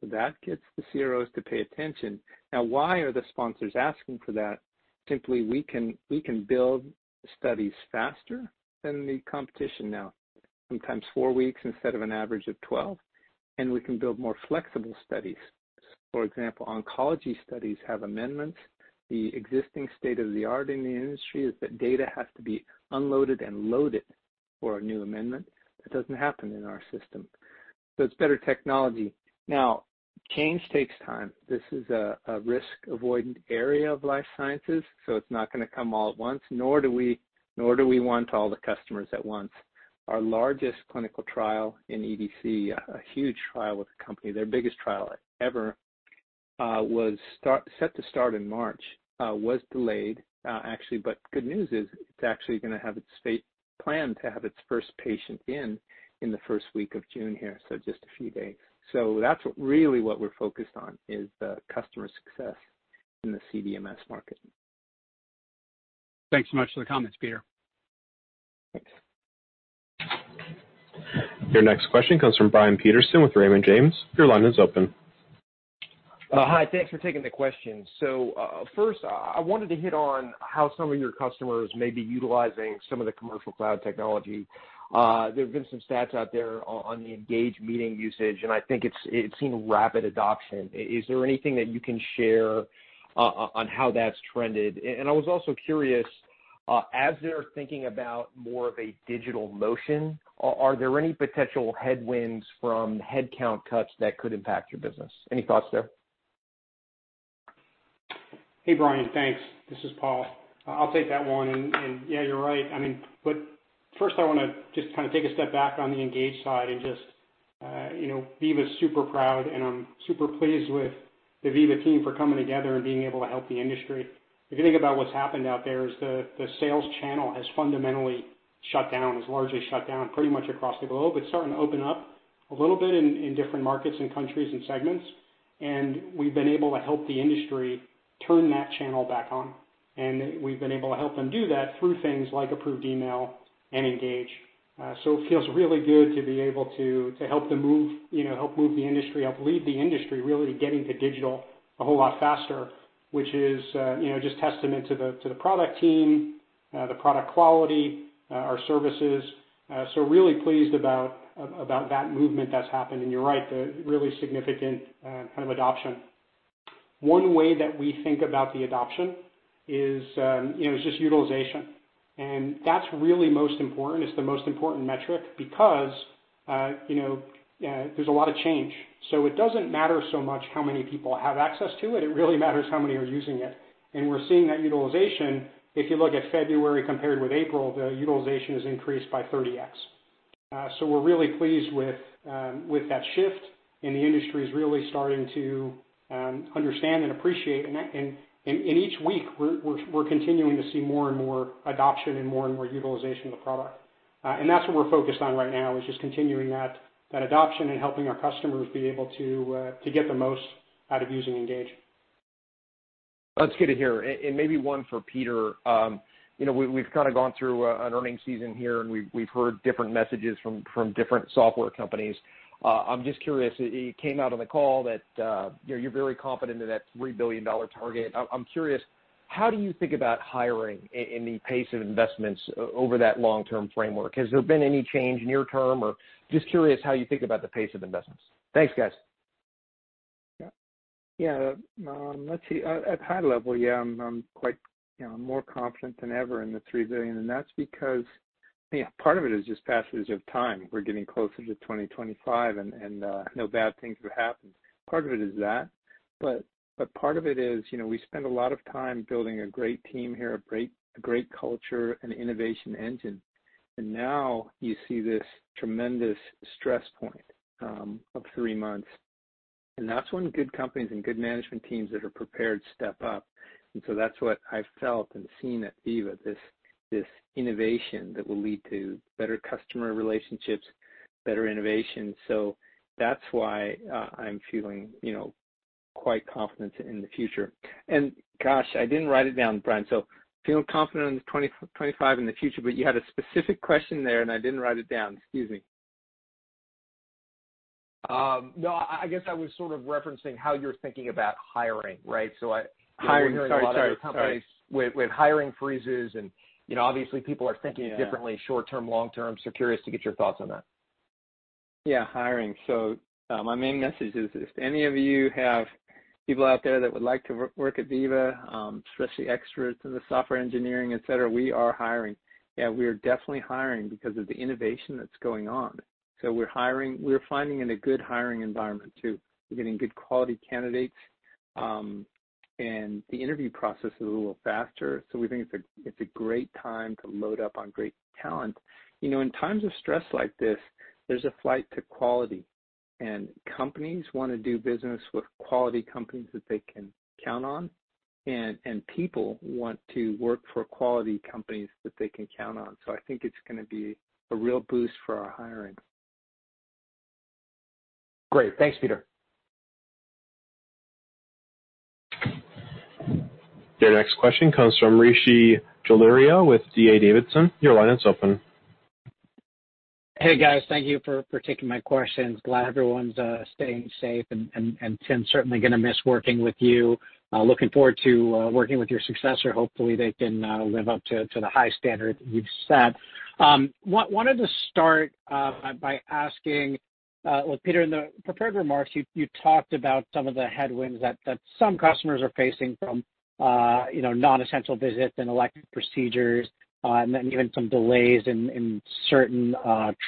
That gets the CROs to pay attention. Why are the sponsors asking for that? Simply, we can build studies faster than the competition now, sometimes four weeks instead of an average of 12, and we can build more flexible studies. For example, oncology studies have amendments. The existing state-of-the-art in the industry is that data has to be unloaded and loaded for a new amendment. That doesn't happen in our system. It's better technology. Now, change takes time. This is a risk-avoidant area of life sciences, it's not gonna come all at once, nor do we want all the customers at once. Our largest clinical trial in EDC, a huge trial with a company, their biggest trial ever, was set to start in March, was delayed, actually. Good news is, it's actually gonna have its first patient in the first week of June here, just a few days. That's what really what we're focused on is the customer success in the CDMS market. Thanks so much for the comments, Peter. Your next question comes from Brian Peterson with Raymond James. Your line is open. Hi. Thanks for taking the question. So first, I wanted to hit on how some of your customers may be utilizing some of the Commercial Cloud technology. There have been some stats out there on the Engage Meeting usage, and I think it's seen rapid adoption. Is there anything that you can share on how that's trended? I was also curious, as they're thinking about more of a digital motion, are there any potential headwinds from headcount cuts that could impact your business? Any thoughts there? Hey, Brian, thanks. This is Paul. I'll take that one. Yeah, you're right. I mean, first I wanna just kind of take a step back on the Engage side, you know, Veeva's super proud, and I'm super pleased with the Veeva team for coming together and being able to help the industry. If you think about what's happened out there is the sales channel has fundamentally shut down, has largely shut down pretty much across the globe. It's starting to open up a little bit in different markets and countries and segments, we've been able to help the industry turn that channel back on. We've been able to help them do that through things like Approved Email and Engage. So it feels really good to be able to help them move, you know, help move the industry, help lead the industry really getting to digital a whole lot faster, which is, you know, just testament to the product team, the product quality, our services. Really pleased about that movement that's happened. You're right, the really significant kind of adoption. One way that we think about the adoption is, you know, just utilization. That's really most important. It's the most important metric because, you know, there's a lot of change. It doesn't matter so much how many people have access to it really matters how many are using it. We're seeing that utilization, if you look at February compared with April, the utilization has increased by 30x. We're really pleased with that shift, and the industry is really starting to understand and appreciate. Each week we're continuing to see more and more adoption and more and more utilization of the product. That's what we're focused on right now is just continuing that adoption and helping our customers be able to get the most out of using Engage. Let's get it here, and maybe one for Peter. You know, we've kind of gone through an earnings season here, and we've heard different messages from different software companies. I'm just curious, it came out on the call that, you know, you're very confident in that $3 billion target. I'm curious, how do you think about hiring and the pace of investments over that long-term framework? Has there been any change near term or just curious how you think about the pace of investments? Thanks, guys. Yeah. Let's see. At high level, I'm quite, you know, more confident than ever in the $3 billion, that's because part of it is just passage of time. We're getting closer to 2025, no bad things have happened. Part of it is that. Part of it is, you know, we spend a lot of time building a great team here, a great culture and innovation engine. Now you see this tremendous stress point of three months. That's when good companies and good management teams that are prepared step up. That's what I've felt and seen at Veeva, this innovation that will lead to better customer relationships, better innovation. That's why I'm feeling, you know, quite confident in the future. Gosh, I didn't write it down, Brian, so feeling confident in 2025 in the future, but you had a specific question there, and I didn't write it down. Excuse me. No, I guess I was sort of referencing how you're thinking about hiring, right? Hiring. Sorry. We're hearing a lot of companies with hiring freezes and, you know, obviously. Yeah. Differently short-term, long-term. Curious to get your thoughts on that. Yeah, hiring. My main message is if any of you have people out there that would like to work at Veeva, especially experts in the software engineering, et cetera, we are hiring. Yeah, we are definitely hiring because of the innovation that's going on. We're hiring. We're finding it a good hiring environment too. We're getting good quality candidates, and the interview process is a little faster, we think it's a great time to load up on great talent. You know, in times of stress like this, there's a flight to quality. Companies wanna do business with quality companies that they can count on, and people want to work for quality companies that they can count on. I think it's gonna be a real boost for our hiring. Great. Thanks, Peter. Your next question comes from Rishi Jaluria with D.A. Davidson. Your line is open. Hey, guys. Thank you for taking my questions. Glad everyone's staying safe and Tim, certainly gonna miss working with you. Looking forward to working with your successor. Hopefully, they can live up to the high standard you've set. Wanted to start by asking, well, Peter, in the prepared remarks, you talked about some of the headwinds that some customers are facing from, you know, non-essential visits and elective procedures, and then even some delays in certain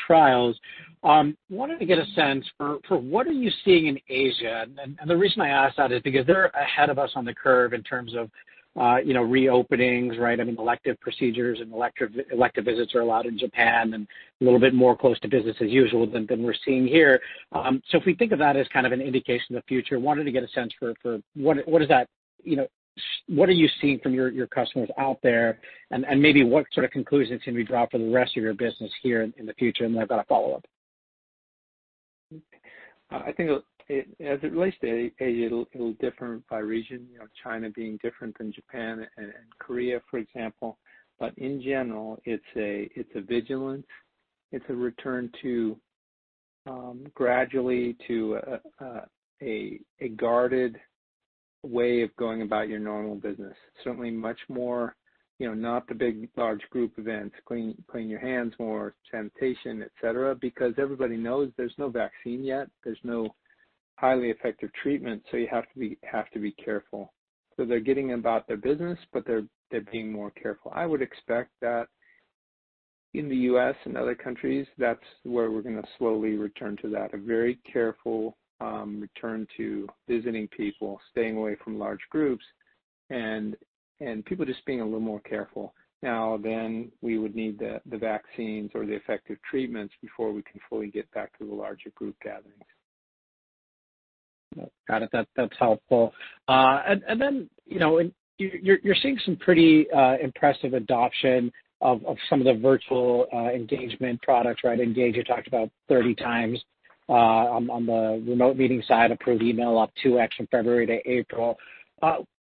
trials. Wanted to get a sense for what are you seeing in Asia? The reason I ask that is because they're ahead of us on the curve in terms of, you know, reopenings, right? I mean, elective procedures and elective visits are allowed in Japan and a little bit more close to business as usual than we're seeing here. If we think of that as kind of an indication of the future, wanted to get a sense for what are you seeing from your customers out there? Maybe what sort of conclusions can we draw for the rest of your business here in the future? I've got a follow-up. I think, as it relates to Asia, it'll differ by region, you know, China being different than Japan and Korea, for example. In general, it's a vigilance. It's a return to gradually to a guarded way of going about your normal business. Certainly much more, you know, not the big large group events, cleaning your hands more, sanitation, et cetera, because everybody knows there's no vaccine yet. Highly effective treatment, you have to be careful. They're getting about their business, but they're being more careful. I would expect that in the U.S. and other countries, that's where we're gonna slowly return to that, a very careful return to visiting people, staying away from large groups and people just being a little more careful. Now then we would need the vaccines or the effective treatments before we can fully get back to the larger group gatherings. Got it. That's helpful. You know, you're seeing some pretty impressive adoption of some of the virtual engagement products, right? Engage, you talked about 30 times on the remote meeting side, Approved Email up 2x from February to April.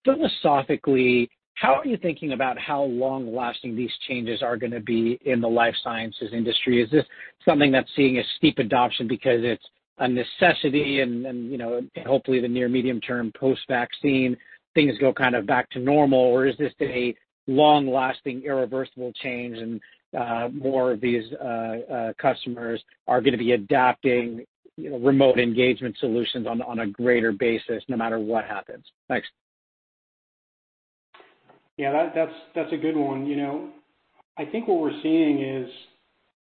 Philosophically, how are you thinking about how long-lasting these changes are gonna be in the life sciences industry? Is this something that's seeing a steep adoption because it's a necessity and, you know, hopefully the near medium-term post-vaccine things go kind of back to normal, or is this a long-lasting, irreversible change and more of these customers are gonna be adapting, you know, remote engagement solutions on a greater basis no matter what happens? Thanks. Yeah, that's a good one. You know, I think what we're seeing is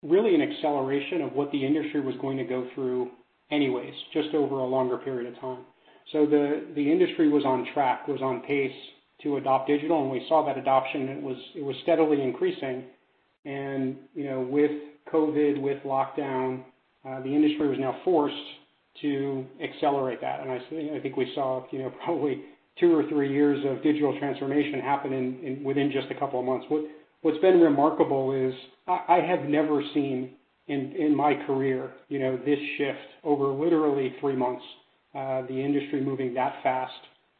really an acceleration of what the industry was going to go through anyways, just over a longer period of time. So the industry was on track, was on pace to adopt digital, and we saw that adoption. It was steadily increasing and, you know, with COVID, with lockdown, the industry was now forced to accelerate that. I think we saw, you know, probably two or three years of digital transformation happen within just a couple of months. What's been remarkable is I have never seen in my career, you know, this shift over literally three months, the industry moving that fast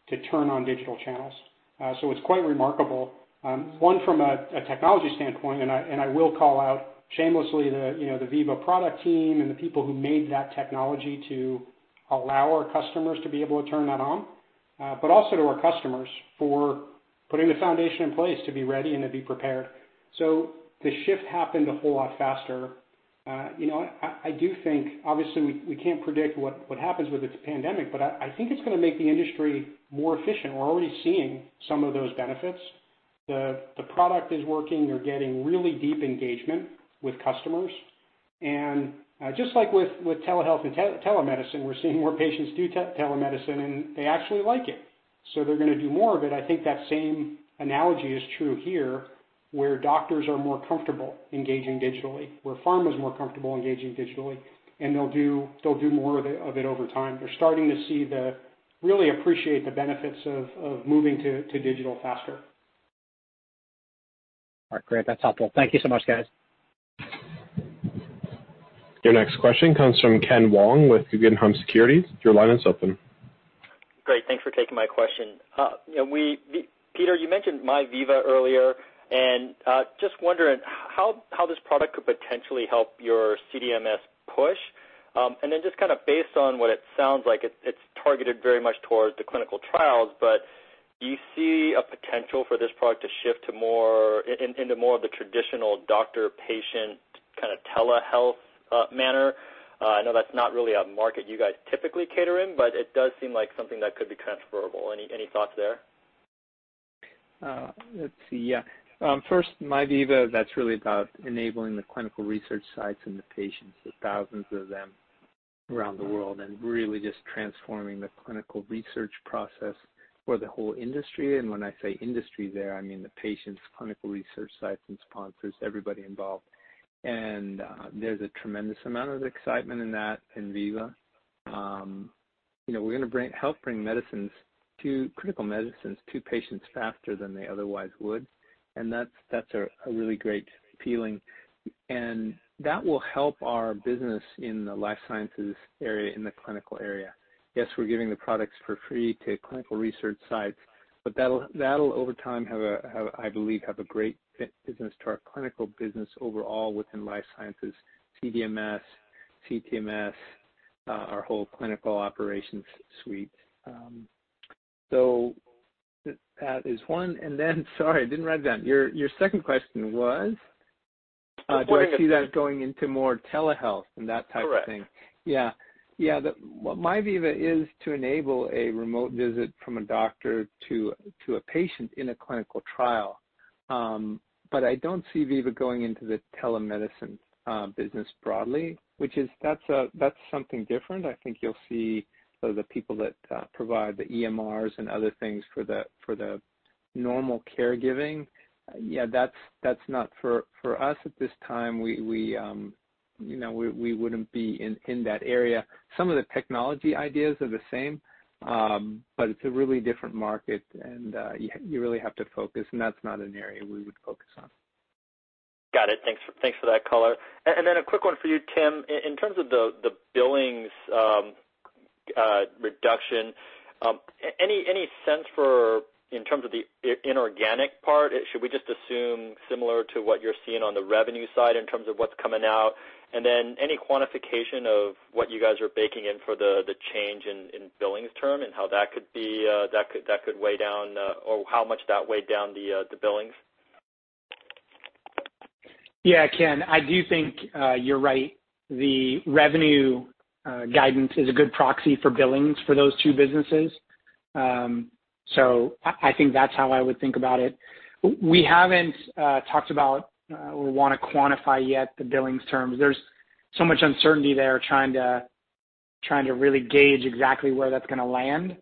to turn on digital channels. It's quite remarkable. One from a technology standpoint, and I will call out shamelessly the, you know, the Veeva product team and the people who made that technology to allow our customers to be able to turn that on. Also to our customers for putting the foundation in place to be ready and to be prepared. The shift happened a whole lot faster. You know, I do think obviously we can't predict what happens with this pandemic, but I think it's gonna make the industry more efficient. We're already seeing some of those benefits. The product is working. They're getting really deep engagement with customers. Just like with telehealth and telemedicine, we're seeing more patients do telemedicine, and they actually like it, they're gonna do more of it. I think that same analogy is true here, where doctors are more comfortable engaging digitally, where pharma is more comfortable engaging digitally, and they'll do more of it over time. They're starting to really appreciate the benefits of moving to digital faster. All right, great. That's helpful. Thank you so much, guys. Your next question comes from Ken Wong with Guggenheim Securities. Your line is open. Great. Thanks for taking my question. You know, Peter, you mentioned MyVeeva earlier, and just wondering how this product could potentially help your CDMS push? Then just kind of based on what it sounds like, it's targeted very much towards the clinical trials, do you see a potential for this product to shift to more of the traditional doctor-patient kind of telehealth manner? I know that's not really a market you guys typically cater in, but it does seem like something that could be transferable. Any thoughts there? Let's see. Yeah. First, MyVeeva, that's really about enabling the clinical research sites and the patients, the thousands of them around the world, and really just transforming the clinical research process for the whole industry. When I say industry there, I mean the patients, clinical research sites and sponsors, everybody involved. There's a tremendous amount of excitement in that in Veeva. You know, we're gonna help bring critical medicines to patients faster than they otherwise would. That's a really great feeling and that will help our business in the life sciences area, in the clinical area. Yes, we're giving the products for free to clinical research sites, that'll over time have, I believe, a great fit business to our clinical business overall within life sciences, CDMS, CTMS, our whole Clinical Operations Suite. So that is one. Sorry, I didn't write it down. Your second question was? Do I see that going into more telehealth and that type of thing? Correct. Yeah. MyVeeva is to enable a remote visit from a doctor to a patient in a clinical trial. I don't see Veeva going into the telemedicine business broadly, that's something different. I think you'll see the people that provide the EMRs and other things for the normal caregiving. Yeah, that's not for us at this time. We, you know, we wouldn't be in that area. Some of the technology ideas are the same, it's a really different market and you really have to focus, that's not an area we would focus on. Got it. Thanks for that color. Then a quick one for you, Tim. In terms of the billings reduction, any sense for in terms of the inorganic part? Should we just assume similar to what you're seeing on the revenue side in terms of what's coming out? Then any quantification of what you guys are baking in for the change in billings term and how that could be, that could weigh down, or how much that weighed down the billings? Yeah. Ken, I do think you're right. The revenue guidance is a good proxy for billings for those two businesses. So I think that's how I would think about it. We haven't talked about or want to quantify yet the billings terms. There's so much uncertainty there trying to really gauge exactly where that's going to land.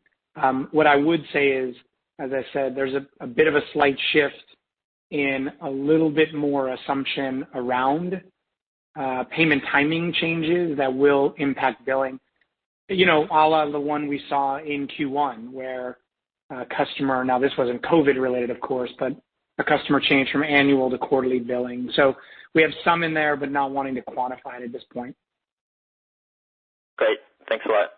What I would say is, as I said, there's a bit of a slight shift and a little bit more assumption around payment timing changes that will impact billing. You know, all of the one we saw in Q1, where a customer now this wasn't COVID-related, of course, but a customer changed from annual to quarterly billing. We have some in there, but not wanting to quantify it at this point. Great. Thanks a lot.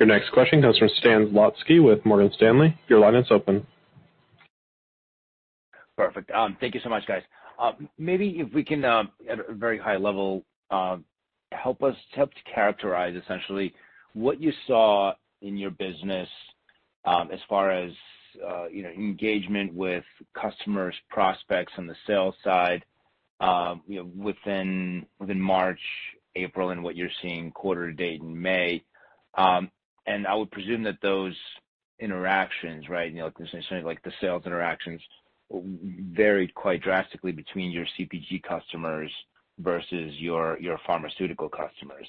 Your next question comes from Stan Zlotsky with Morgan Stanley. Your line is open. Perfect. Thank you so much, guys. Maybe if we can, at a very high level, help to characterize essentially what you saw in your business, as far as, you know, engagement with customers, prospects on the sales side, you know, within March, April, and what you're seeing quarter to date in May. I would presume that those interactions, right, you know, like, sort of like the sales interactions varied quite drastically between your CPG customers versus your pharmaceutical customers.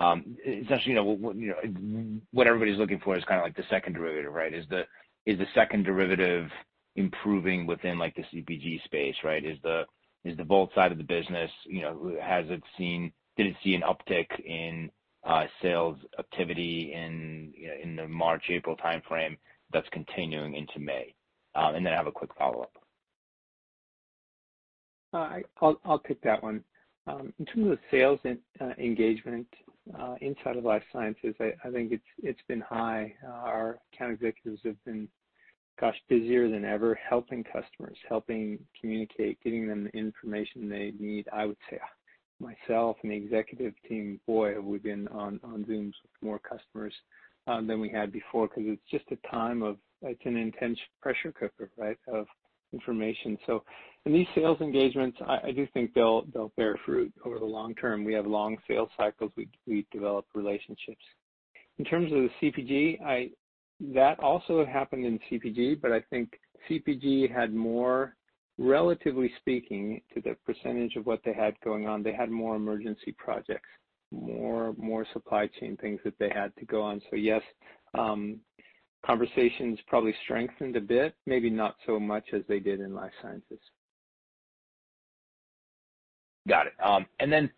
Essentially, you know, what everybody's looking for is kind of like the second derivative, right? Is the second derivative improving within, like, the CPG space, right? Is the Vault side of the business, you know, did it see an uptick in sales activity in, you know, in the March-April timeframe that's continuing into May? Then I have a quick follow-up. I'll pick that one. In terms of sales engagement inside of life sciences, I think it's been high. Our account executives have been, gosh, busier than ever helping customers, helping communicate, getting them the information they need. I would say myself and the executive team, boy, have we been on Zooms with more customers than we had before because it's just an intense pressure cooker, right, of information. In these sales engagements, I do think they'll bear fruit over the long term. We have long sales cycles. We develop relationships. In terms of the CPG, That also happened in CPG, but I think CPG had more, relatively speaking to the percentage of what they had going on, they had more emergency projects, more supply chain things that they had to go on. Yes, conversations probably strengthened a bit, maybe not so much as they did in life sciences. Got it. And then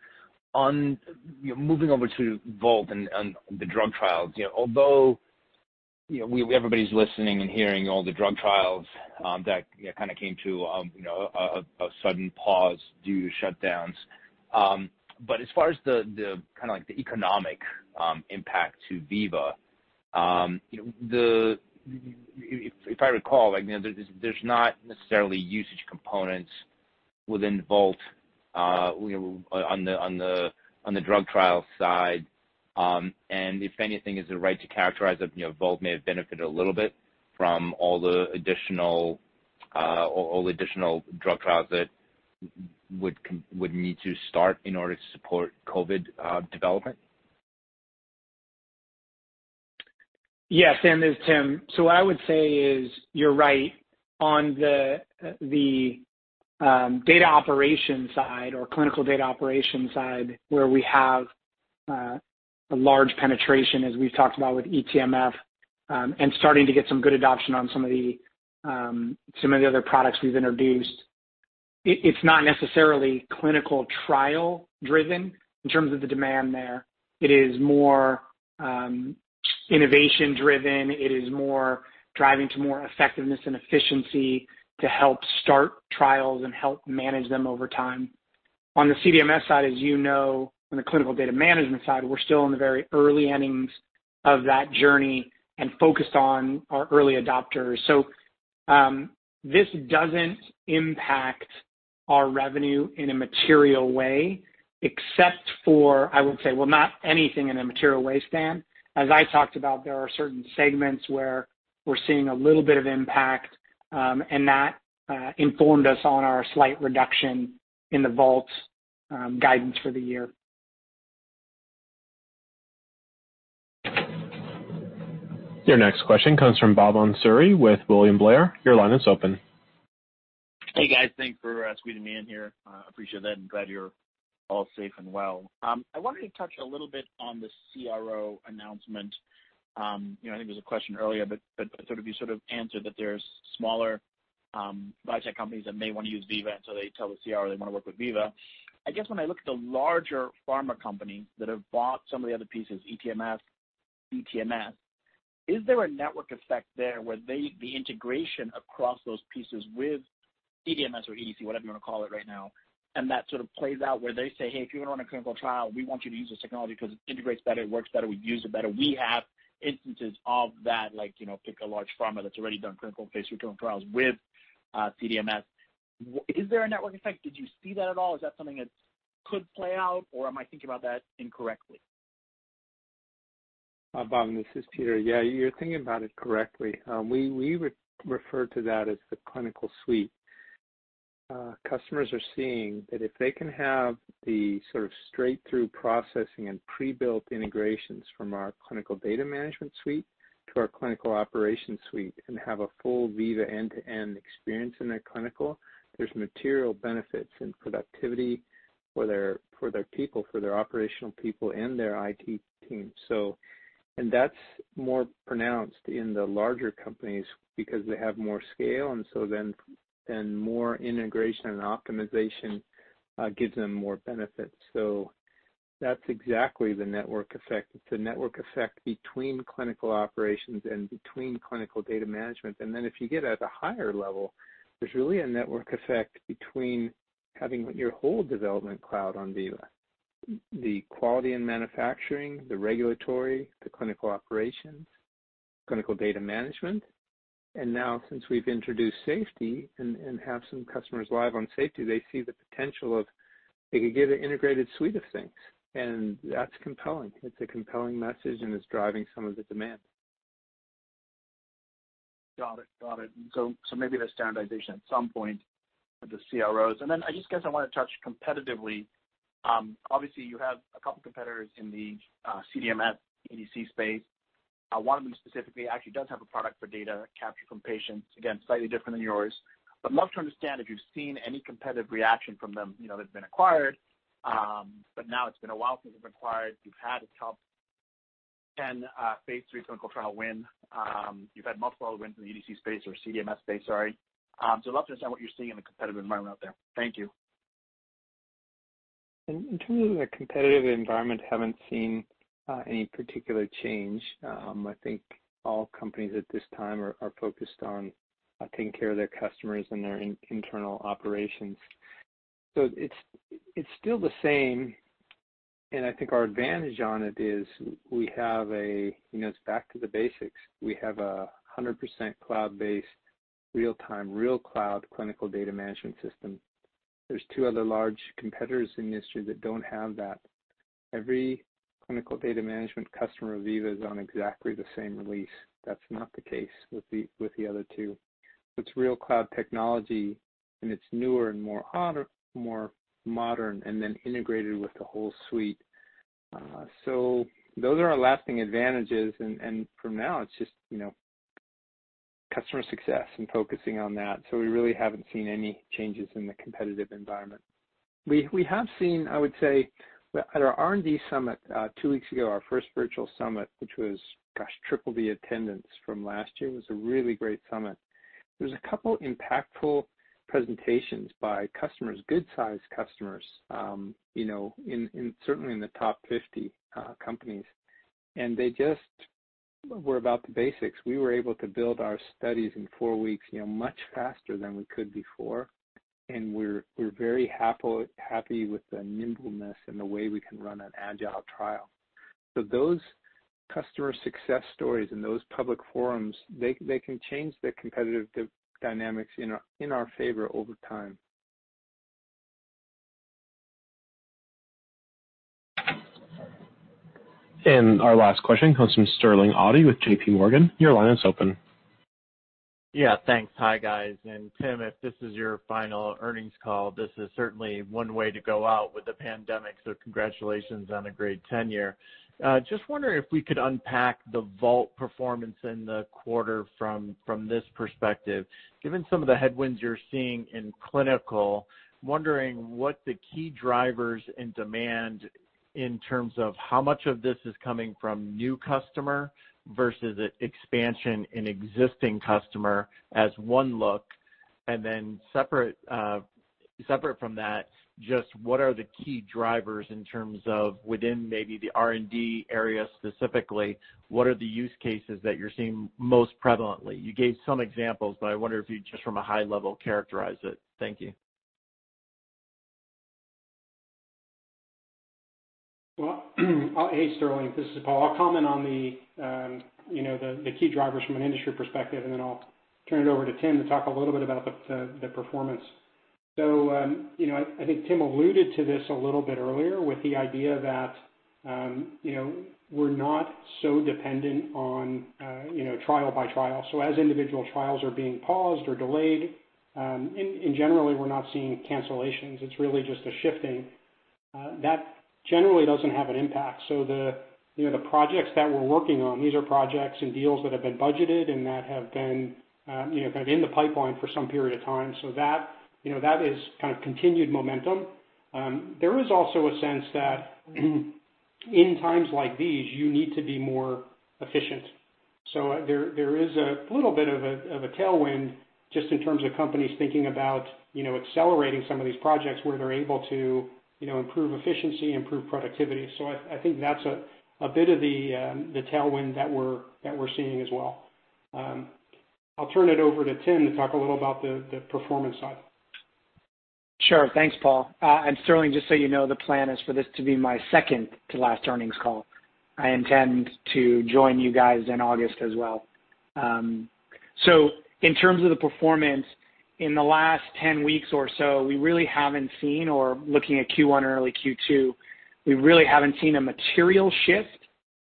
on, moving over to Vault and the drug trials. Although, you know, everybody's listening and hearing all the drug trials, that kind of came to, you know, a sudden pause due to shutdowns. As far as the kind of like the economic, impact to Veeva, if I recall, like, you know, there's not necessarily usage components within Vault, you know, on the drug trial side. If anything, is it right to characterize it, you know, Vault may have benefited a little bit from all the additional drug trials that would need to start in order to support COVID development? Stan. It's Tim. What I would say is you're right on the data operations side or clinical data operations side, where we have a large penetration, as we've talked about with eTMF, and starting to get some good adoption on some of the other products we've introduced. It's not necessarily clinical trial driven in terms of the demand there. It is more innovation driven. It is more driving to more effectiveness and efficiency to help start trials and help manage them over time. On the CDMS side, as you know, on the clinical data management side, we're still in the very early innings of that journey and focused on our early adopters. This doesn't impact our revenue in a material way except for, I would say, not anything in a material way, Stan. As I talked about, there are certain segments where we're seeing a little bit of impact, and that informed us on our slight reduction in the Vault guidance for the year. Your next question comes from Bhavan Suri with William Blair. Your line is open. Hey, guys. Thanks for squeezing me in here. Appreciate that and glad you're all safe and well. I wanted to touch a little bit on the CRO announcement. You know, I think there was a question earlier, but sort of you sort of answered that there's smaller biotech companies that may wanna use Veeva, they tell the CRO they wanna work with Veeva. I guess when I look at the larger pharma companies that have bought some of the other pieces, eTMF, is there a network effect there where the integration across those pieces with CDMS or EDC, whatever you wanna call it right now, and that sort of plays out where they say, "Hey, if you wanna run a clinical trial, we want you to use this technology because it integrates better, it works better, we use it better." We have instances of that, like, you know, pick a large pharma that's already done clinical phase III trials with CDMS. Is there a network effect? Did you see that at all? Is that something that could play out, or am I thinking about that incorrectly? Bhavan, this is Peter. Yeah, you're thinking about it correctly. We refer to that as the Clinical Suite. Customers are seeing that if they can have the sort of straight-through processing and pre-built integrations from our Clinical Data Management Suite to our Clinical Operations Suite and have a full Veeva end-to-end experience in their clinical, there's material benefits in productivity for their people, for their operational people and their IT team. So that's more pronounced in the larger companies because they have more scale, and more integration and optimization gives them more benefits. So that's exactly the network effect. It's the network effect between Clinical Operations and between Clinical Data Management. And then if you get at a higher level, there's really a network effect between having your whole Development Cloud on Veeva. The quality and manufacturing, the regulatory, the clinical operations, clinical data management, and now since we've introduced safety and have some customers live on safety, they see the potential of they could get an integrated suite of things. That's compelling. It's a compelling message, and it's driving some of the demand. Got it. Got it. So maybe the standardization at some point with the CROs. I just guess I wanna touch competitively. Obviously you have a couple competitors in the CDMS, EDC space. One of them specifically actually does have a product for data captured from patients, again, slightly different than yours. Love to understand if you've seen any competitive reaction from them, you know, that have been acquired. Now it's been a while since it's been acquired. You've had a top 10, phase III clinical trial win. You've had multiple other wins in the EDC space or CDMS space, sorry. Love to understand what you're seeing in the competitive environment out there. Thank you. In terms of the competitive environment, haven't seen any particular change. I think all companies at this time are focused on taking care of their customers and their internal operations. It's still the same, and I think our advantage on it is we have a, you know, it's back to the basics. We have a 100% cloud-based, real-time, real cloud clinical data management system. There's two other large competitors in the industry that don't have that. Every clinical data management customer of Veeva is on exactly the same release. That's not the case with the other two. It's real cloud technology, it's newer and more modern and integrated with the whole suite. So those are our lasting advantages and for now it's just, you know, customer success and focusing on that. We really haven't seen any changes in the competitive environment. We have seen, I would say, at our R&D Summit, two weeks ago, our first virtual summit, which was, gosh, triple the attendance from last year, was a really great summit. There was a couple impactful presentations by customers, good-sized customers, you know, in certainly in the top 50 companies, and they just were about the basics. We were able to build our studies in four weeks, you know, much faster than we could before, and we're very happy with the nimbleness and the way we can run an agile trial. Those customer success stories and those public forums, they can change the competitive dynamics in our favor over time. And our last question comes from Sterling Auty with JPMorgan. Your line is open. Thanks. Hi, guys. Tim, if this is your final earnings call, this is certainly one way to go out with the pandemic. Congratulations on a great tenure. Just wondering if we could unpack the Vault performance in the quarter from this perspective. Given some of the headwinds you're seeing in clinical, wondering what the key drivers and demand in terms of how much of this is coming from new customer versus expansion in existing customer as one look. Separate from that, just what are the key drivers in terms of within maybe the R&D area specifically, what are the use cases that you're seeing most prevalently? You gave some examples, I wonder if you just from a high level characterize it. Thank you. Well, hey, Sterling. This is Paul. I'll comment on the, you know, the key drivers from an industry perspective, and then I'll turn it over to Tim to talk a little bit about the performance. You know, I think Tim alluded to this a little bit earlier with the idea that, you know, we're not so dependent on, you know, trial by trial. As individual trials are being paused or delayed, in general we're not seeing cancellations, it's really just a shifting that generally doesn't have an impact. So the, you know, the projects that we're working on, these are projects and deals that have been budgeted and that have been, you know, kind of in the pipeline for some period of time. That, you know, that is kind of continued momentum. There is also a sense that in times like these, you need to be more efficient. There is a little bit of a tailwind just in terms of companies thinking about, you know, accelerating some of these projects where they're able to, you know, improve efficiency, improve productivity. I think that's a bit of the tailwind that we're seeing as well. I'll turn it over to Tim to talk a little about the performance side. Sure. Thanks, Paul. Sterling, just so you know, the plan is for this to be my second to last earnings call. I intend to join you guys in August as well. So in terms of the performance in the last 10 weeks or so, we really haven't seen or looking at Q1, early Q2, we really haven't seen a material shift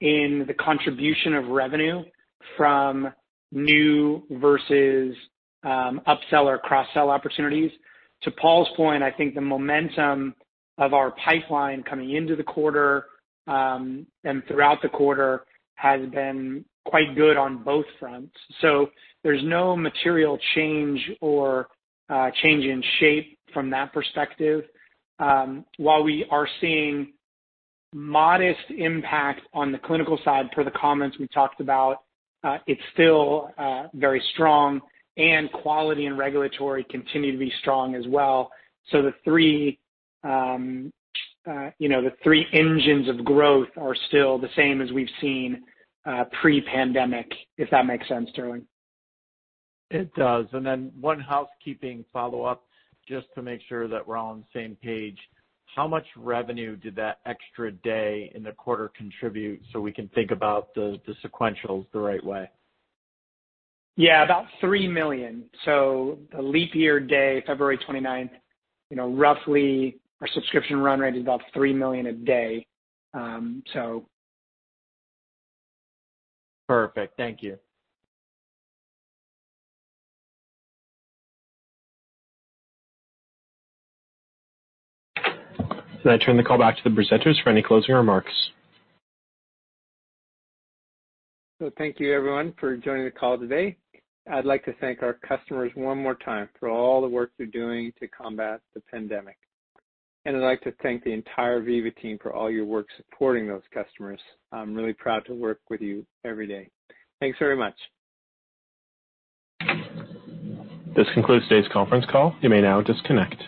in the contribution of revenue from new versus upsell or cross-sell opportunities. To Paul's point, I think the momentum of our pipeline coming into the quarter, and throughout the quarter has been quite good on both fronts. There's no material change or change in shape from that perspective. While we are seeing modest impact on the clinical side per the comments we talked about, it's still very strong, and quality and regulatory continue to be strong as well. The three, you know, the three engines of growth are still the same as we've seen, pre-pandemic, if that makes sense, Sterling. It does. One housekeeping follow-up, just to make sure that we're all on the same page. How much revenue did that extra day in the quarter contribute so we can think about the sequentials the right way? Yeah, about $3 million. The leap year day, February 29th, you know, roughly our subscription run rate is about $3 million a day. Perfect. Thank you. I turn the call back to the presenters for any closing remarks. Thank you everyone for joining the call today. I'd like to thank our customers one more time for all the work they're doing to combat the pandemic. I'd like to thank the entire Veeva team for all your work supporting those customers. I'm really proud to work with you every day. Thanks very much. This concludes today's conference call. You may now disconnect.